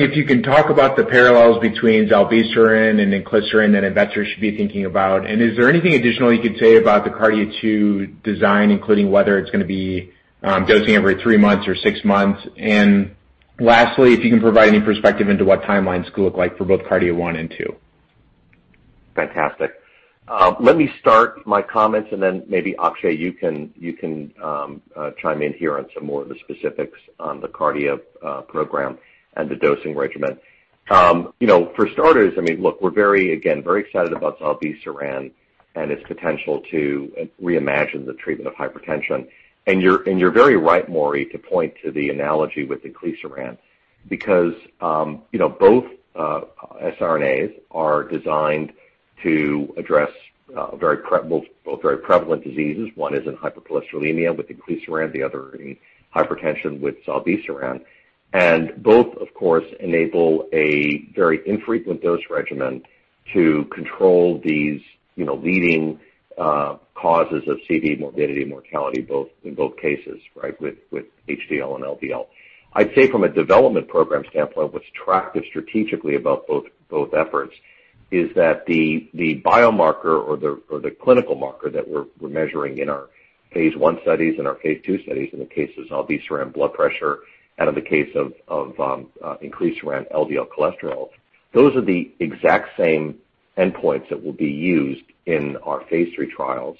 if you can talk about the parallels between zilebesiran and inclisiran, and investors should be thinking about. And is there anything additional you could say about the KARDIA-2 design, including whether it's going to be dosing every three months or six months? And lastly, if you can provide any perspective into what timelines could look like for both KARDIA-1 and KARDIA-2. Fantastic. Let me start my comments, and then maybe Akshay, you can chime in here on some more of the specifics on the KARDIA program and the dosing regimen. For starters, I mean, look, we're very, again, very excited about zilebesiran and its potential to reimagine the treatment of hypertension, and you're very right, Maury, to point to the analogy with inclisiran because both siRNAs are designed to address both very prevalent diseases. One is in hypercholesterolemia with inclisiran, the other in hypertension with zilebesiran. And both, of course, enable a very infrequent dose regimen to control these leading causes of CV morbidity and mortality in both cases, right, with HDL and LDL. I'd say from a development program standpoint, what's attractive strategically about both efforts is that the biomarker or the clinical marker that we're measuring in our phase I studies and our phase II studies in the case of zilebesiran blood pressure and in the case of inclisiran, LDL cholesterol, those are the exact same endpoints that will be used in our phase III trials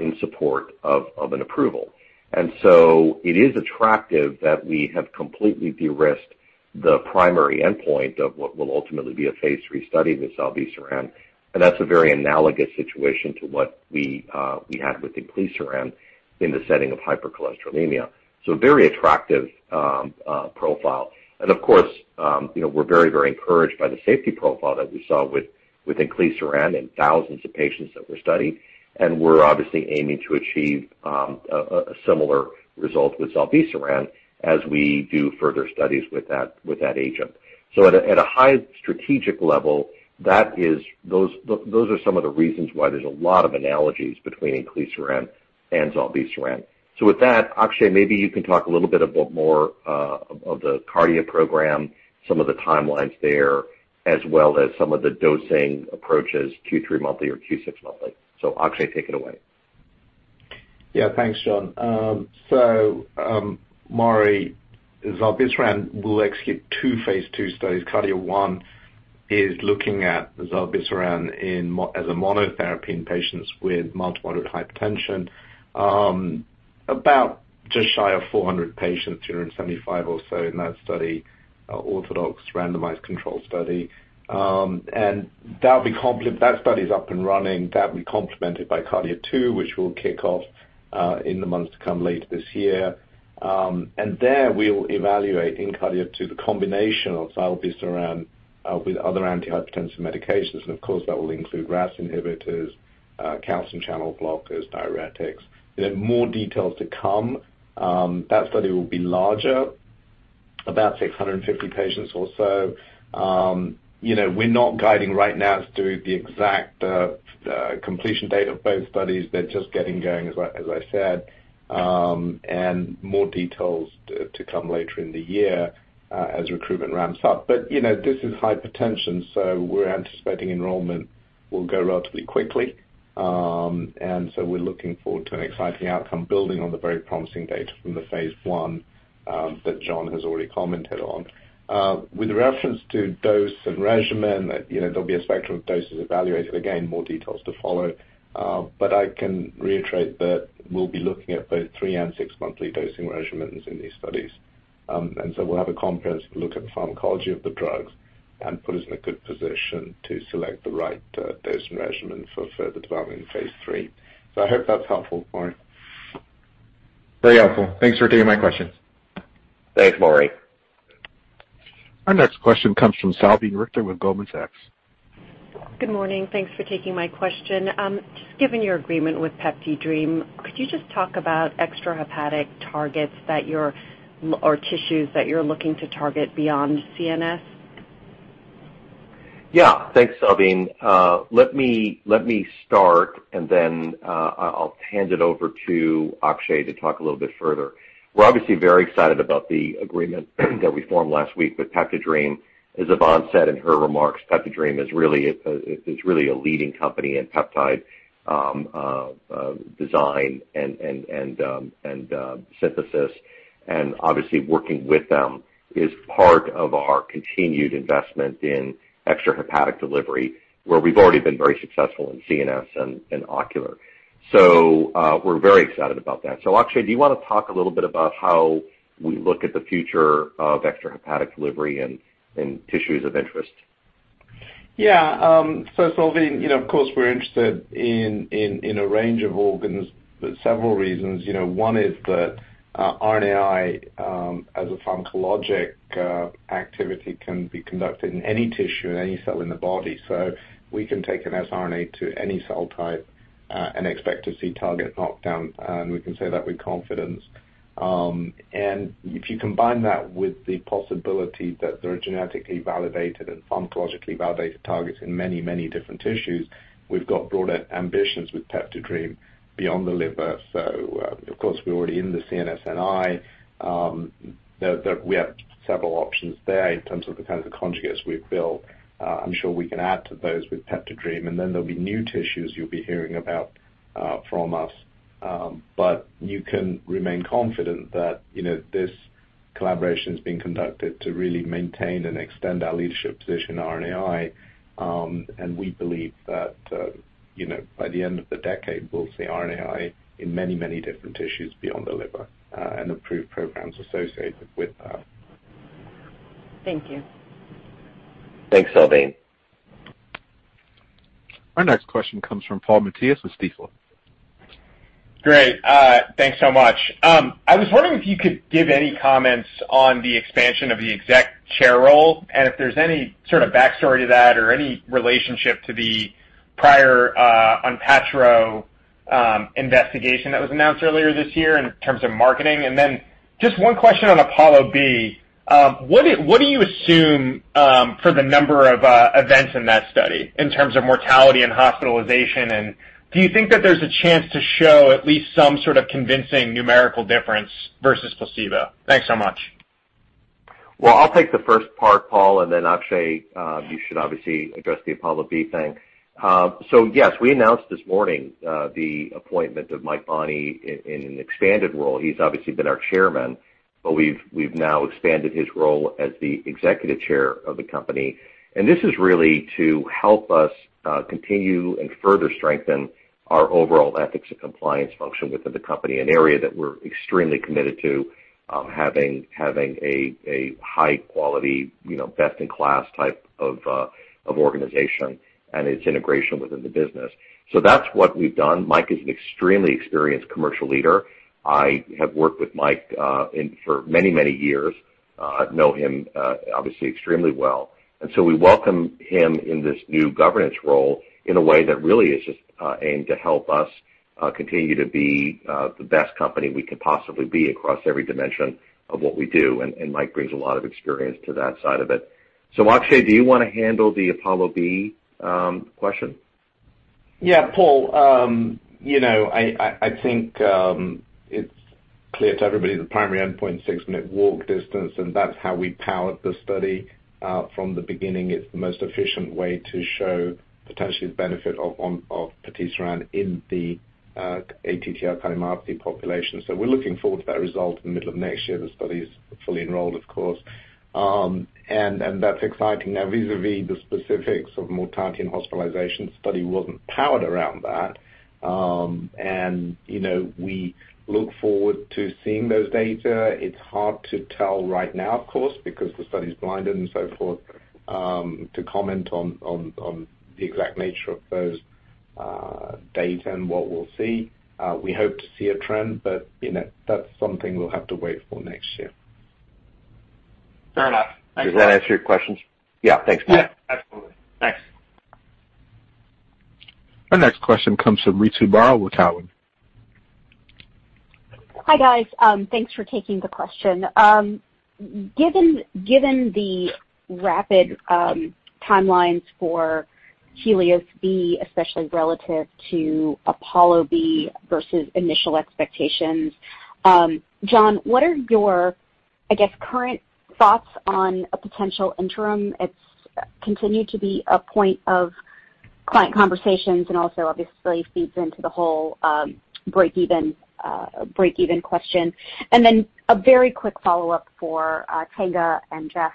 in support of an approval. And so it is attractive that we have completely de-risked the primary endpoint of what will ultimately be a phase III study with zilebesiran. And that's a very analogous situation to what we had with inclisiran in the setting of hypercholesterolemia. So very attractive profile. And of course, we're very, very encouraged by the safety profile that we saw with inclisiran in thousands of patients that were studied. We're obviously aiming to achieve a similar result with zilebesiran as we do further studies with that agent. At a high strategic level, those are some of the reasons why there's a lot of analogies between inclisiran and zilebesiran. With that, Akshay, maybe you can talk a little bit about more of the KARDIA program, some of the timelines there, as well as some of the dosing approaches, Q3 monthly or Q6 monthly. Akshay, take it away. Yeah. Thanks, John. Maury, zilebesiran will execute two phase II studies. KARDIA-1 is looking at zilebesiran as a monotherapy in patients with mild to moderate hypertension, about just shy of 400 patients, 275 or so in that study, double-blind randomized controlled study. That study is up and running. That will be complemented by KARDIA-2, which will kick off in the months to come later this year, and there we'll evaluate in KARDIA-2 the combination of zilebesiran with other antihypertensive medications. And of course, that will include RAAS inhibitors, calcium channel blockers, diuretics. More details to come. That study will be larger, about 650 patients or so. We're not guiding right now as to the exact completion date of both studies. They're just getting going, as I said, and more details to come later in the year as recruitment ramps up, but this is hypertension, so we're anticipating enrollment will go relatively quickly, and so we're looking forward to an exciting outcome, building on the very promising data from the phase I that John has already commented on. With reference to dose and regimen, there'll be a spectrum of doses evaluated. Again, more details to follow. I can reiterate that we'll be looking at both three and six-monthly dosing regimens in these studies. And so we'll have a comprehensive look at the pharmacology of the drugs and put us in a good position to select the right dose and regimen for further development in phase III. So I hope that's helpful, Maury. Very helpful. Thanks for taking my questions. Thanks, Maury. Our next question comes from Salveen Richter with Goldman Sachs. Good morning. Thanks for taking my question. Just given your agreement with PeptiDream, could you just talk about extrahepatic targets or tissues that you're looking to target beyond CNS? Yeah. Thanks, Salveen. Let me start, and then I'll hand it over to Akshay to talk a little bit further. We're obviously very excited about the agreement that we formed last week with PeptiDream. As Yvonne said in her remarks, PeptiDream is really a leading company in peptide design and synthesis. And obviously, working with them is part of our continued investment in extrahepatic delivery, where we've already been very successful in CNS and ocular. So we're very excited about that. So Akshay, do you want to talk a little bit about how we look at the future of extrahepatic delivery and tissues of interest? Yeah. So Salveen, of course, we're interested in a range of organs for several reasons. One is that RNAi as a pharmacologic activity can be conducted in any tissue, in any cell in the body. So we can take an siRNA to any cell type and expect to see target knockdown, and we can say that with confidence. And if you combine that with the possibility that there are genetically validated and pharmacologically validated targets in many, many different tissues, we've got broader ambitions with PeptiDream beyond the liver. So of course, we're already in the CNS and in eye. We have several options there in terms of the kinds of conjugates we've built. I'm sure we can add to those with PeptiDream. And then there'll be new tissues you'll be hearing about from us. But you can remain confident that this collaboration is being conducted to really maintain and extend our leadership position in RNAi. And we believe that by the end of the decade, we'll see RNAi in many, many different tissues beyond the liver and approved programs associated with that. Thank you. Thanks, Salveen. Our next question comes from Paul Matteis with Stifel. Great. Thanks so much. I was wondering if you could give any comments on the expansion of the executive chair role and if there's any sort of backstory to that or any relationship to the prior Onpattro investigation that was announced earlier this year in terms of marketing. And then just one question on APOLLO-B. What do you assume for the number of events in that study in terms of mortality and hospitalization? And do you think that there's a chance to show at least some sort of convincing numerical difference versus placebo? Thanks so much. Well, I'll take the first part, Paul, and then Akshay, you should obviously address the APOLLO-B thing. So yes, we announced this morning the appointment of Mike Bonney in an expanded role. He's obviously been our chairman, but we've now expanded his role as the executive chair of the company. This is really to help us continue and further strengthen our overall ethics and compliance function within the company, an area that we're extremely committed to having a high-quality, best-in-class type of organization and its integration within the business. So that's what we've done. Mike is an extremely experienced commercial leader. I have worked with Mike for many, many years. I know him obviously extremely well. And so we welcome him in this new governance role in a way that really is just aimed to help us continue to be the best company we can possibly be across every dimension of what we do. And Mike brings a lot of experience to that side of it. So Akshay, do you want to handle the APOLLO-B question? Yeah. Paul, I think it's clear to everybody the primary endpoint is 6-minute walk distance, and that's how we powered the study from the beginning. It's the most efficient way to show potentially the benefit of patisiran in the ATTR cardiomyopathy population. So we're looking forward to that result in the middle of next year. The study is fully enrolled, of course. And that's exciting. Now, vis-à-vis the specifics of mortality and hospitalization, the study wasn't powered around that. And we look forward to seeing those data. It's hard to tell right now, of course, because the study is blinded and so forth, to comment on the exact nature of those data and what we'll see. We hope to see a trend, but that's something we'll have to wait for next year. Fair enough. Thanks, John. Does that answer your questions? Yeah. Thanks, Paul. Yeah. Absolutely. Thanks. Our next question comes from Ritu Baral with Cowen. Hi, guys. Thanks for taking the question. Given the rapid timelines for HELIOS-B, especially relative to APOLLO-B versus initial expectations, John, what are your, I guess, current thoughts on a potential interim? It's continued to be a point of client conversations and also, obviously, feeds into the whole break-even question. And then a very quick follow-up for Tolga and Jeff.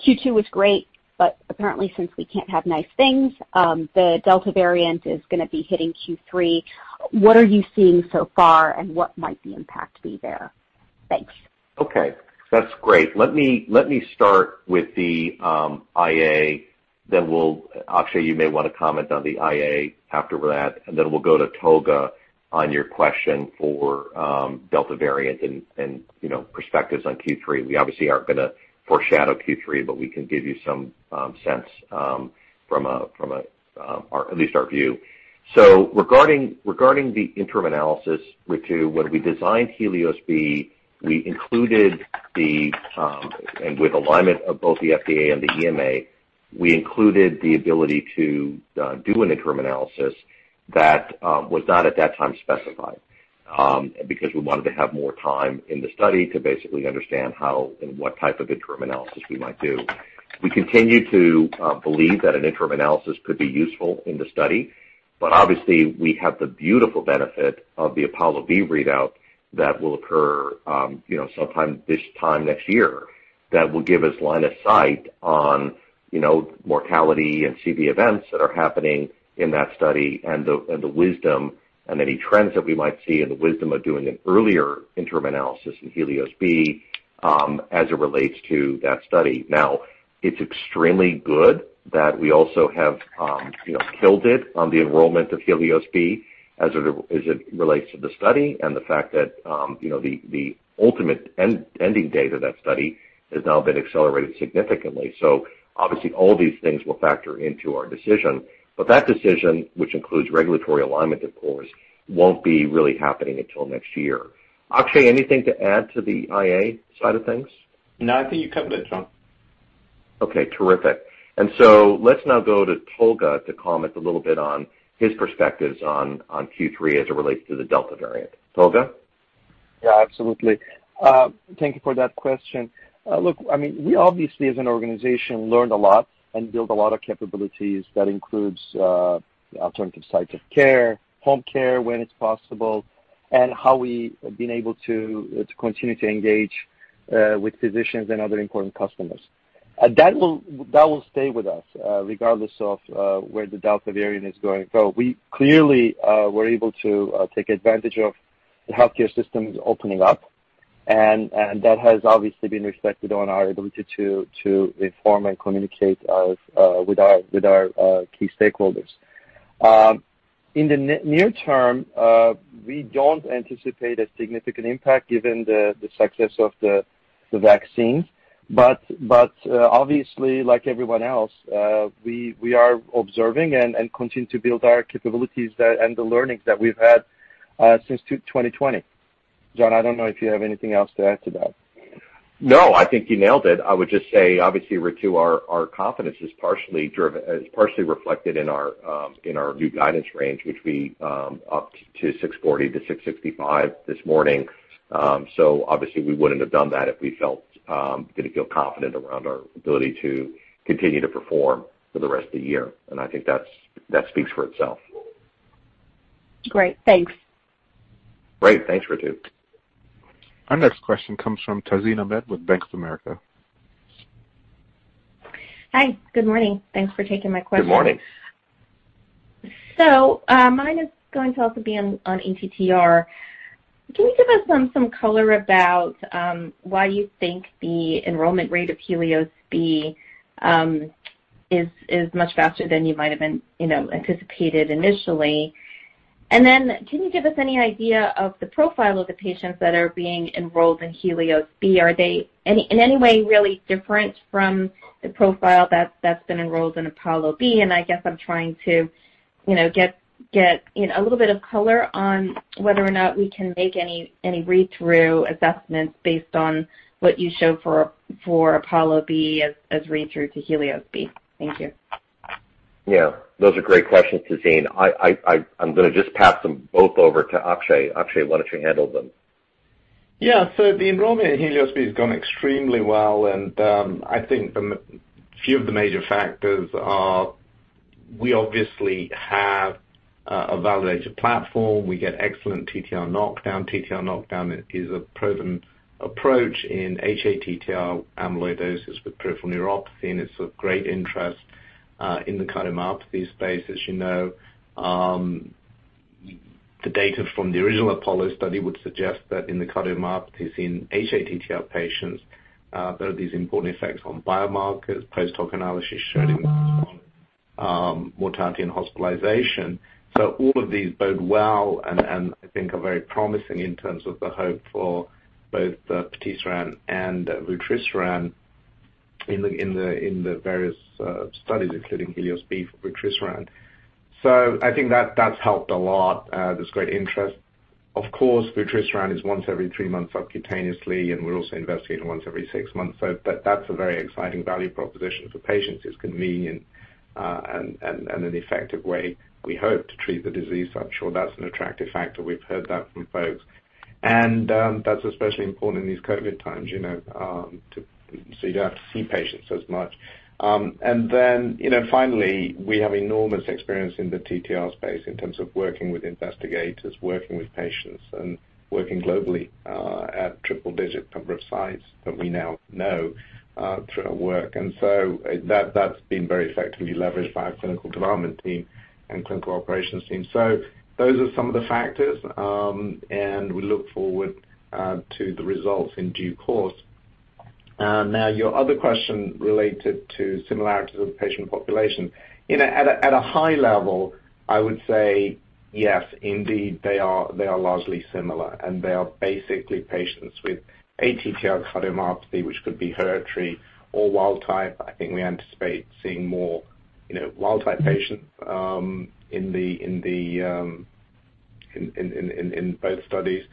Q2 was great, but apparently, since we can't have nice things, the Delta variant is going to be hitting Q3. What are you seeing so far, and what might the impact be there? Thanks. Okay. That's great. Let me start with the IA. Then Akshay, you may want to comment on the IA after that. And then we'll go to Tolga on your question for Delta variant and perspectives on Q3. We obviously aren't going to foreshadow Q3, but we can give you some sense from at least our view. So regarding the interim analysis with Q2, when we designed HELIOS-B, and with alignment of both the FDA and the EMA, we included the ability to do an interim analysis that was not at that time specified because we wanted to have more time in the study to basically understand how and what type of interim analysis we might do. We continue to believe that an interim analysis could be useful in the study. But obviously, we have the beautiful benefit of the APOLLO-B readout that will occur sometime this time next year that will give us line of sight on mortality and CV events that are happening in that study and the wisdom and any trends that we might see and the wisdom of doing an earlier interim analysis in HELIOS-B as it relates to that study. Now, it's extremely good that we also have killed it on the enrollment of HELIOS-B as it relates to the study, and the fact that the ultimate ending date of that study has now been accelerated significantly, so obviously, all these things will factor into our decision, but that decision, which includes regulatory alignment, of course, won't be really happening until next year. Akshay, anything to add to the IA side of things? No, I think you covered it, John. Okay. Terrific. And so let's now go to Tolga to comment a little bit on his perspectives on Q3 as it relates to the Delta variant. Tolga? Yeah. Absolutely. Thank you for that question. Look, I mean, we obviously, as an organization, learned a lot and built a lot of capabilities that includes alternative sites of care, home care when it's possible, and how we have been able to continue to engage with physicians and other important customers. That will stay with us regardless of where the Delta variant is going. So we clearly were able to take advantage of the healthcare systems opening up, and that has obviously been reflected on our ability to inform and communicate with our key stakeholders. In the near term, we don't anticipate a significant impact given the success of the vaccines. But obviously, like everyone else, we are observing and continue to build our capabilities and the learnings that we've had since 2020. John, I don't know if you have anything else to add to that? No, I think you nailed it. I would just say, obviously, Ritu, our confidence is partially reflected in our new guidance range, which we upped to 640-665 this morning. So obviously, we wouldn't have done that if we didn't feel confident around our ability to continue to perform for the rest of the year. I think that speaks for itself. Great. Thanks. Great. Thanks, Ritu. Our next question comes from Tazeen Ahmad with Bank of America. Hi. Good morning. Thanks for taking my question. Good morning. So mine is going to also be on ATTR. Can you give us some color about why you think the enrollment rate of HELIOS-B is much faster than you might have anticipated initially? And then can you give us any idea of the profile of the patients that are being enrolled in HELIOS-B? Are they in any way really different from the profile that's been enrolled in APOLLO-B? And I guess I'm trying to get a little bit of color on whether or not we can make any read-through assessments based on what you show for APOLLO-B as read-through to HELIOS-B. Thank you. Yeah. Those are great questions, Tazeen. I'm going to just pass them both over to Akshay. Akshay, why don't you handle them? Yeah. So the enrollment in HELIOS-B has gone extremely well. And I think a few of the major factors are we obviously have a validated platform. We get excellent TTR knockdown. TTR knockdown is a proven approach in hATTR amyloidosis with peripheral neuropathy, and it's of great interest in the cardiomyopathy space, as you know. The data from the original APOLLO study would suggest that in the cardiomyopathy in hATTR patients, there are these important effects on biomarkers, post-hoc analysis showing mortality and hospitalization, so all of these bode well and I think are very promising in terms of the hope for both patisiran and vutrisiran in the various studies, including HELIOS-B for vutrisiran, so I think that's helped a lot. There's great interest. Of course, vutrisiran is once every three months subcutaneously, and we're also investigating once every six months, so that's a very exciting value proposition for patients. It's convenient and an effective way, we hope, to treat the disease. I'm sure that's an attractive factor. We've heard that from folks. And that's especially important in these COVID times so you don't have to see patients as much. And then finally, we have enormous experience in the TTR space in terms of working with investigators, working with patients, and working globally at triple-digit number of sites that we now know through our work. And so that's been very effectively leveraged by our clinical development team and clinical operations team. So those are some of the factors, and we look forward to the results in due course. Now, your other question related to similarities of the patient population. At a high level, I would say, yes, indeed, they are largely similar. And they are basically patients with ATTR cardiomyopathy, which could be hereditary or wild-type. I think we anticipate seeing more wild-type patients in both studies.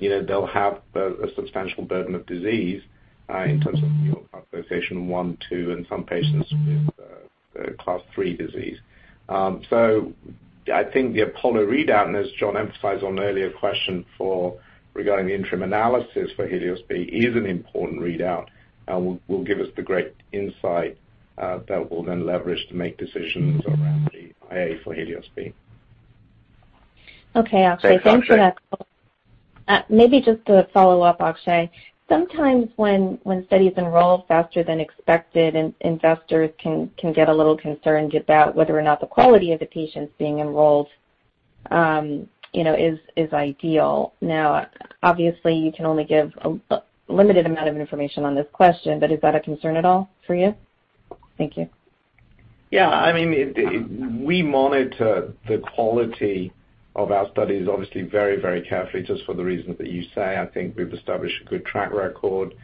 They'll have a substantial burden of disease in terms of immunocompromised patient one, two, and some patients with Class III disease. So I think the APOLLO readout, and as John emphasized on an earlier question regarding the interim analysis for HELIOS-B, is an important readout. It'll give us the great insight that we'll then leverage to make decisions around the IA for HELIOS-B. Okay. Akshay, thanks for that. Maybe just to follow up, Akshay, sometimes when studies enroll faster than expected, investors can get a little concerned about whether or not the quality of the patients being enrolled is ideal. Now, obviously, you can only give a limited amount of information on this question, but is that a concern at all for you? Thank you. Yeah. I mean, we monitor the quality of our studies obviously very, very carefully just for the reasons that you say. I think we've established a good track record.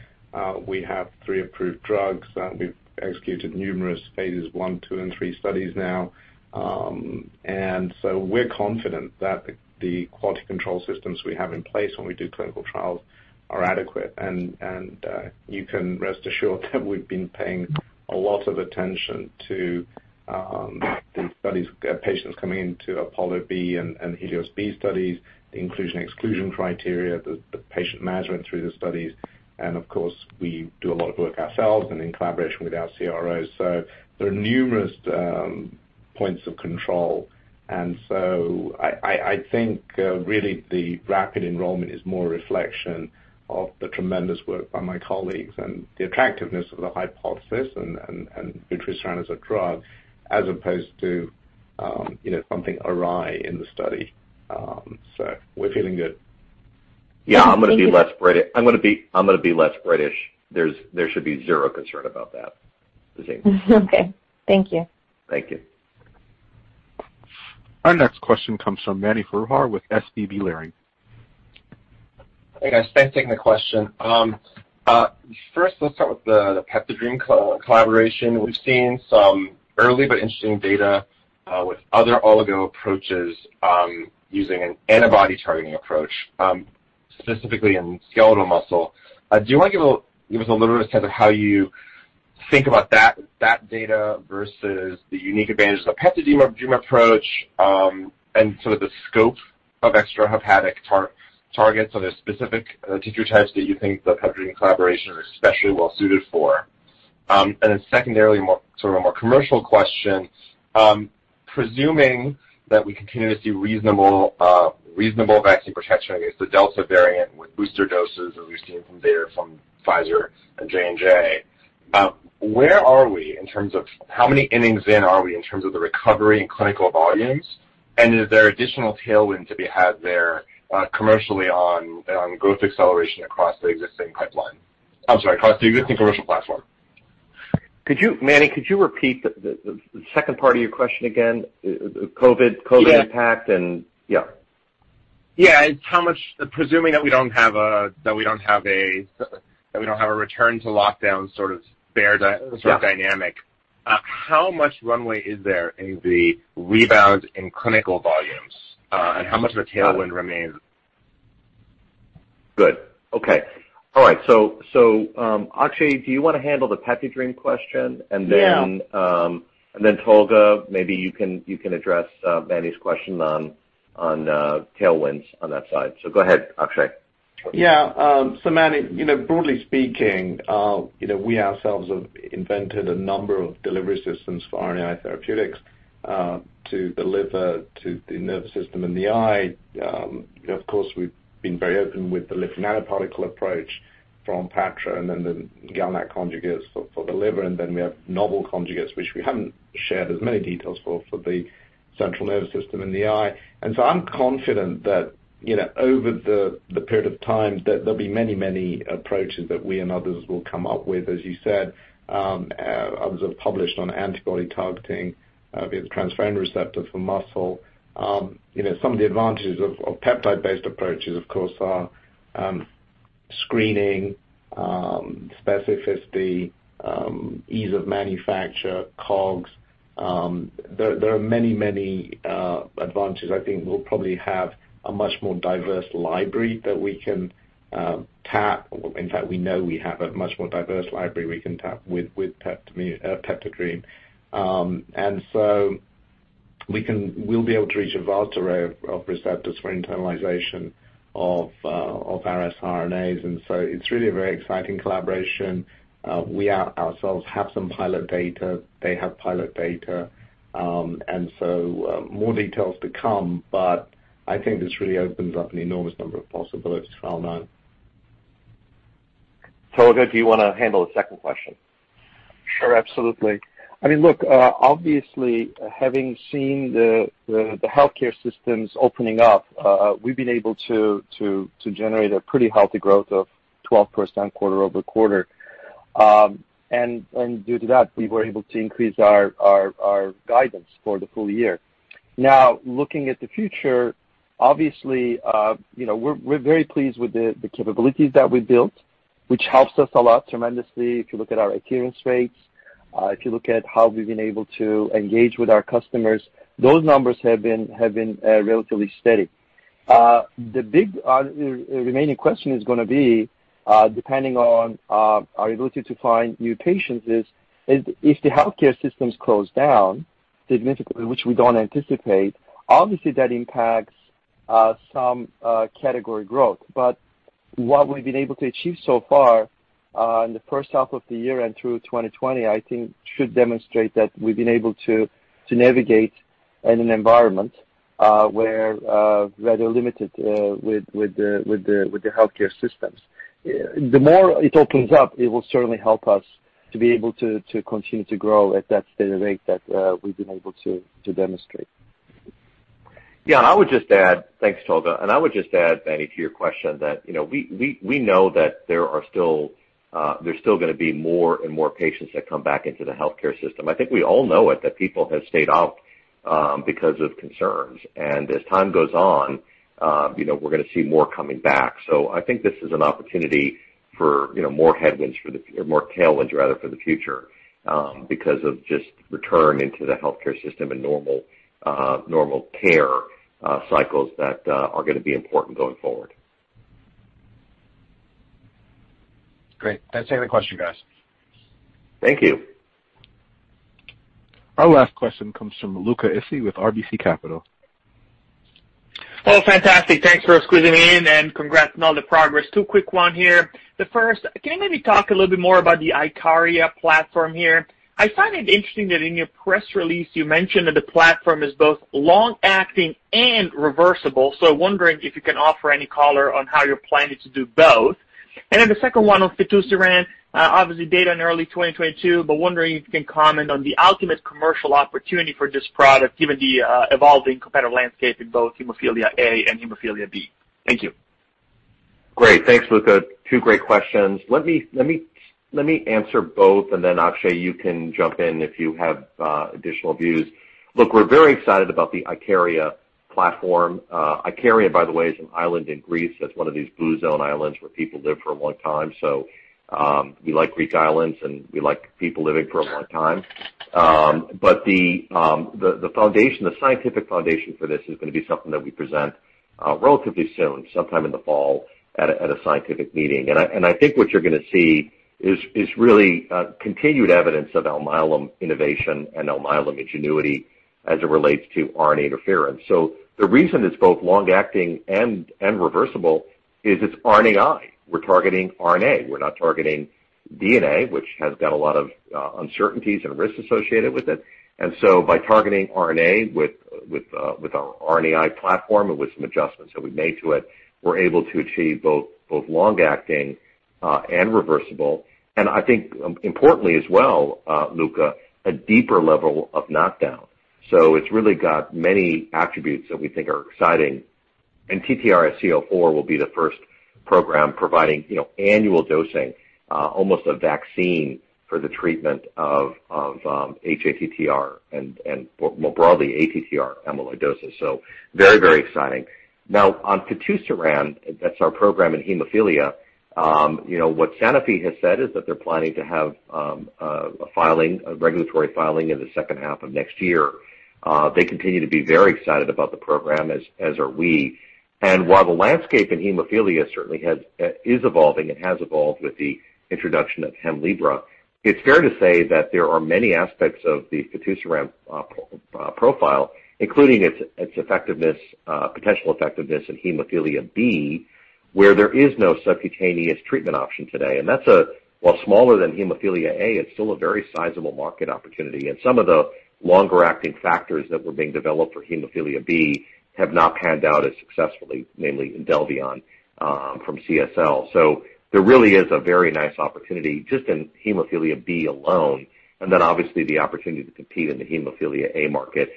We have three approved drugs. We've executed numerous Phase 1, Phase 2, and Phase 3 studies now, and so we're confident that the quality control systems we have in place when we do clinical trials are adequate. And you can rest assured that we've been paying a lot of attention to the patients coming into APOLLO-B and HELIOS-B studies, the inclusion-exclusion criteria, the patient management through the studies. And of course, we do a lot of work ourselves and in collaboration with our CROs. So there are numerous points of control, and so I think really the rapid enrollment is more a reflection of the tremendous work by my colleagues and the attractiveness of the hypothesis and vutrisiran as a drug as opposed to something awry in the study. So we're feeling good. Yeah. I'm going to be less British. I'm going to be less British. There should be zero concern about that, Tazeen. Okay. Thank you. Thank you. Our next question comes from Mani Foroohar with SVB Leerink. Hey, guys. Thanks for taking the question. First, let's start with the PeptiDream collaboration. We've seen some early but interesting data with other oligo approaches using an antibody targeting approach, specifically in skeletal muscle. Do you want to give us a little bit of a sense of how you think about that data versus the unique advantages of the PeptiDream approach and sort of the scope of extrahepatic targets? Are there specific tissue types that you think the PeptiDream collaboration is especially well-suited for? And then secondarily, sort of a more commercial question, presuming that we continue to see reasonable vaccine protection against the Delta variant with booster doses as we've seen from Pfizer and J&J, where are we in terms of how many innings in are we in terms of the recovery and clinical volumes? And is there additional tailwinds to be had there commercially on growth acceleration across the existing pipeline? I'm sorry, across the existing commercial platform. Mani, could you repeat the second part of your question again? The COVID impact and yeah. Yeah. It's how much, presuming that we don't have a return-to-lockdown sort of dynamic, how much runway is there in the rebound in clinical volumes? And how much of a tailwind remains? Good. Okay. All right. So Akshay, do you want to handle the PeptiDream question? And then Tolga, maybe you can address Mani's question on tailwinds on that side. So go ahead, Akshay. Yeah. So Mani, broadly speaking, we ourselves have invented a number of delivery systems for RNAi therapeutics to deliver to the nervous system in the eye. Of course, we've been very open with the LNP nanoparticle approach from Patisiran and then the GalNAc conjugates for the liver. And then we have novel conjugates, which we haven't shared as many details for, for the central nervous system in the eye. And so I'm confident that over the period of time, there'll be many, many approaches that we and others will come up with, as you said. Others have published on antibody targeting via the transferrin receptor for muscle. Some of the advantages of peptide-based approaches, of course, are screening, specificity, ease of manufacture, COGS. There are many, many advantages. I think we'll probably have a much more diverse library that we can tap. In fact, we know we have a much more diverse library we can tap with PeptiDream. And so we'll be able to reach a vast array of receptors for internalization of siRNAs. And so it's really a very exciting collaboration. We ourselves have some pilot data. They have pilot data. And so more details to come. But I think this really opens up an enormous number of possibilities for our mind. Tolga, do you want to handle the second question? Sure. Absolutely. I mean, look, obviously, having seen the healthcare systems opening up, we've been able to generate a pretty healthy growth of 12% quarter over quarter. And due to that, we were able to increase our guidance for the full year. Now, looking at the future, obviously, we're very pleased with the capabilities that we built, which helps us a lot tremendously. If you look at our adherence rates, if you look at how we've been able to engage with our customers, those numbers have been relatively steady. The big remaining question is going to be, depending on our ability to find new patients, is if the healthcare systems close down significantly, which we don't anticipate, obviously, that impacts some category growth. But what we've been able to achieve so far in the first half of the year and through 2020, I think, should demonstrate that we've been able to navigate in an environment where we're rather limited with the healthcare systems. The more it opens up, it will certainly help us to be able to continue to grow at that pace of the way that we've been able to demonstrate. Yeah. And I would just add, thanks, Tolga. And I would just add, Mani, to your question that we know that there are still going to be more and more patients that come back into the healthcare system. I think we all know it that people have stayed out because of concerns. And as time goes on, we're going to see more coming back. So I think this is an opportunity for more headwinds or more tailwinds, rather, for the future because of just return into the healthcare system and normal care cycles that are going to be important going forward. Great. Thanks for taking the question, guys. Thank you. Our last question comes from Luca Issi with RBC Capital Markets. Oh, fantastic. Thanks for squeezing me in. And congrats on all the progress. Two quick ones here. The first, can you maybe talk a little bit more about the IKARIA platform here? I find it interesting that in your press release, you mentioned that the platform is both long-acting and reversible. So I'm wondering if you can offer any color on how you're planning to do both. And then the second one on fitusiran, obviously, data in early 2022, but wondering if you can comment on the ultimate commercial opportunity for this product given the evolving competitive landscape in both hemophilia A and hemophilia B. Thank you. Great. Thanks, Luca. Two great questions. Let me answer both. And then, Akshay, you can jump in if you have additional views. Look, we're very excited about the IKARIA platform. Ikaria, by the way, is an island in Greece. It's one of these Blue Zone islands where people live for a long time. We like Greek islands, and we like people living for a long time. The scientific foundation for this is going to be something that we present relatively soon, sometime in the fall at a scientific meeting. I think what you're going to see is really continued evidence of Alnylam innovation and Alnylam ingenuity as it relates to RNA interference. The reason it's both long-acting and reversible is it's RNAi. We're targeting RNA. We're not targeting DNA, which has got a lot of uncertainties and risks associated with it. By targeting RNA with our RNAi platform and with some adjustments that we've made to it, we're able to achieve both long-acting and reversible. I think, importantly as well, Luca, a deeper level of knockdown. It's really got many attributes that we think are exciting. ALN-TTRsc04 will be the first program providing annual dosing, almost a vaccine for the treatment of hATTR and more broadly, ATTR amyloidosis. Very, very exciting. Now, on fitusiran, that's our program in hemophilia. What Sanofi has said is that they're planning to have a regulatory filing in the second half of next year. They continue to be very excited about the program, as are we. While the landscape in hemophilia certainly is evolving and has evolved with the introduction of Hemlibra, it's fair to say that there are many aspects of the fitusiran profile, including its potential effectiveness in hemophilia B, where there is no subcutaneous treatment option today. While smaller than hemophilia A, it's still a very sizable market opportunity. Some of the longer-acting factors that were being developed for hemophilia B have not panned out as successfully, namely Idelvion from CSL. So there really is a very nice opportunity just in hemophilia B alone. And then, obviously, the opportunity to compete in the hemophilia A market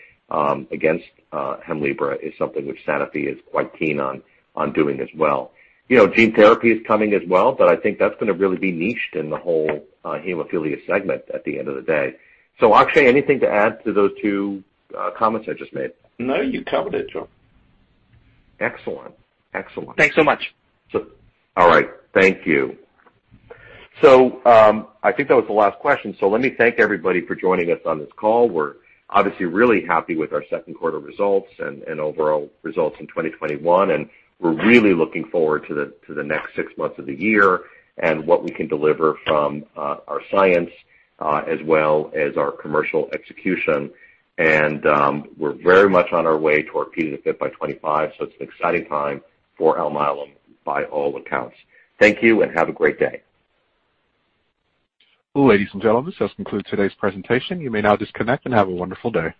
against Hemlibra is something which Sanofi is quite keen on doing as well. Gene therapy is coming as well, but I think that's going to really be niched in the whole hemophilia segment at the end of the day. So, Akshay, anything to add to those two comments I just made? No, you covered it, John. Excellent. Excellent. Thanks so much. All right. Thank you. So I think that was the last question. So let me thank everybody for joining us on this call. We're obviously really happy with our second quarter results and overall results in 2021. And we're really looking forward to the next six months of the year and what we can deliver from our science as well as our commercial execution. We're very much on our way to our P5x25 by 2025. It's an exciting time for Alnylam by all accounts. Thank you and have a great day. Ladies and gentlemen, this has concluded today's presentation. You may now disconnect and have a wonderful day.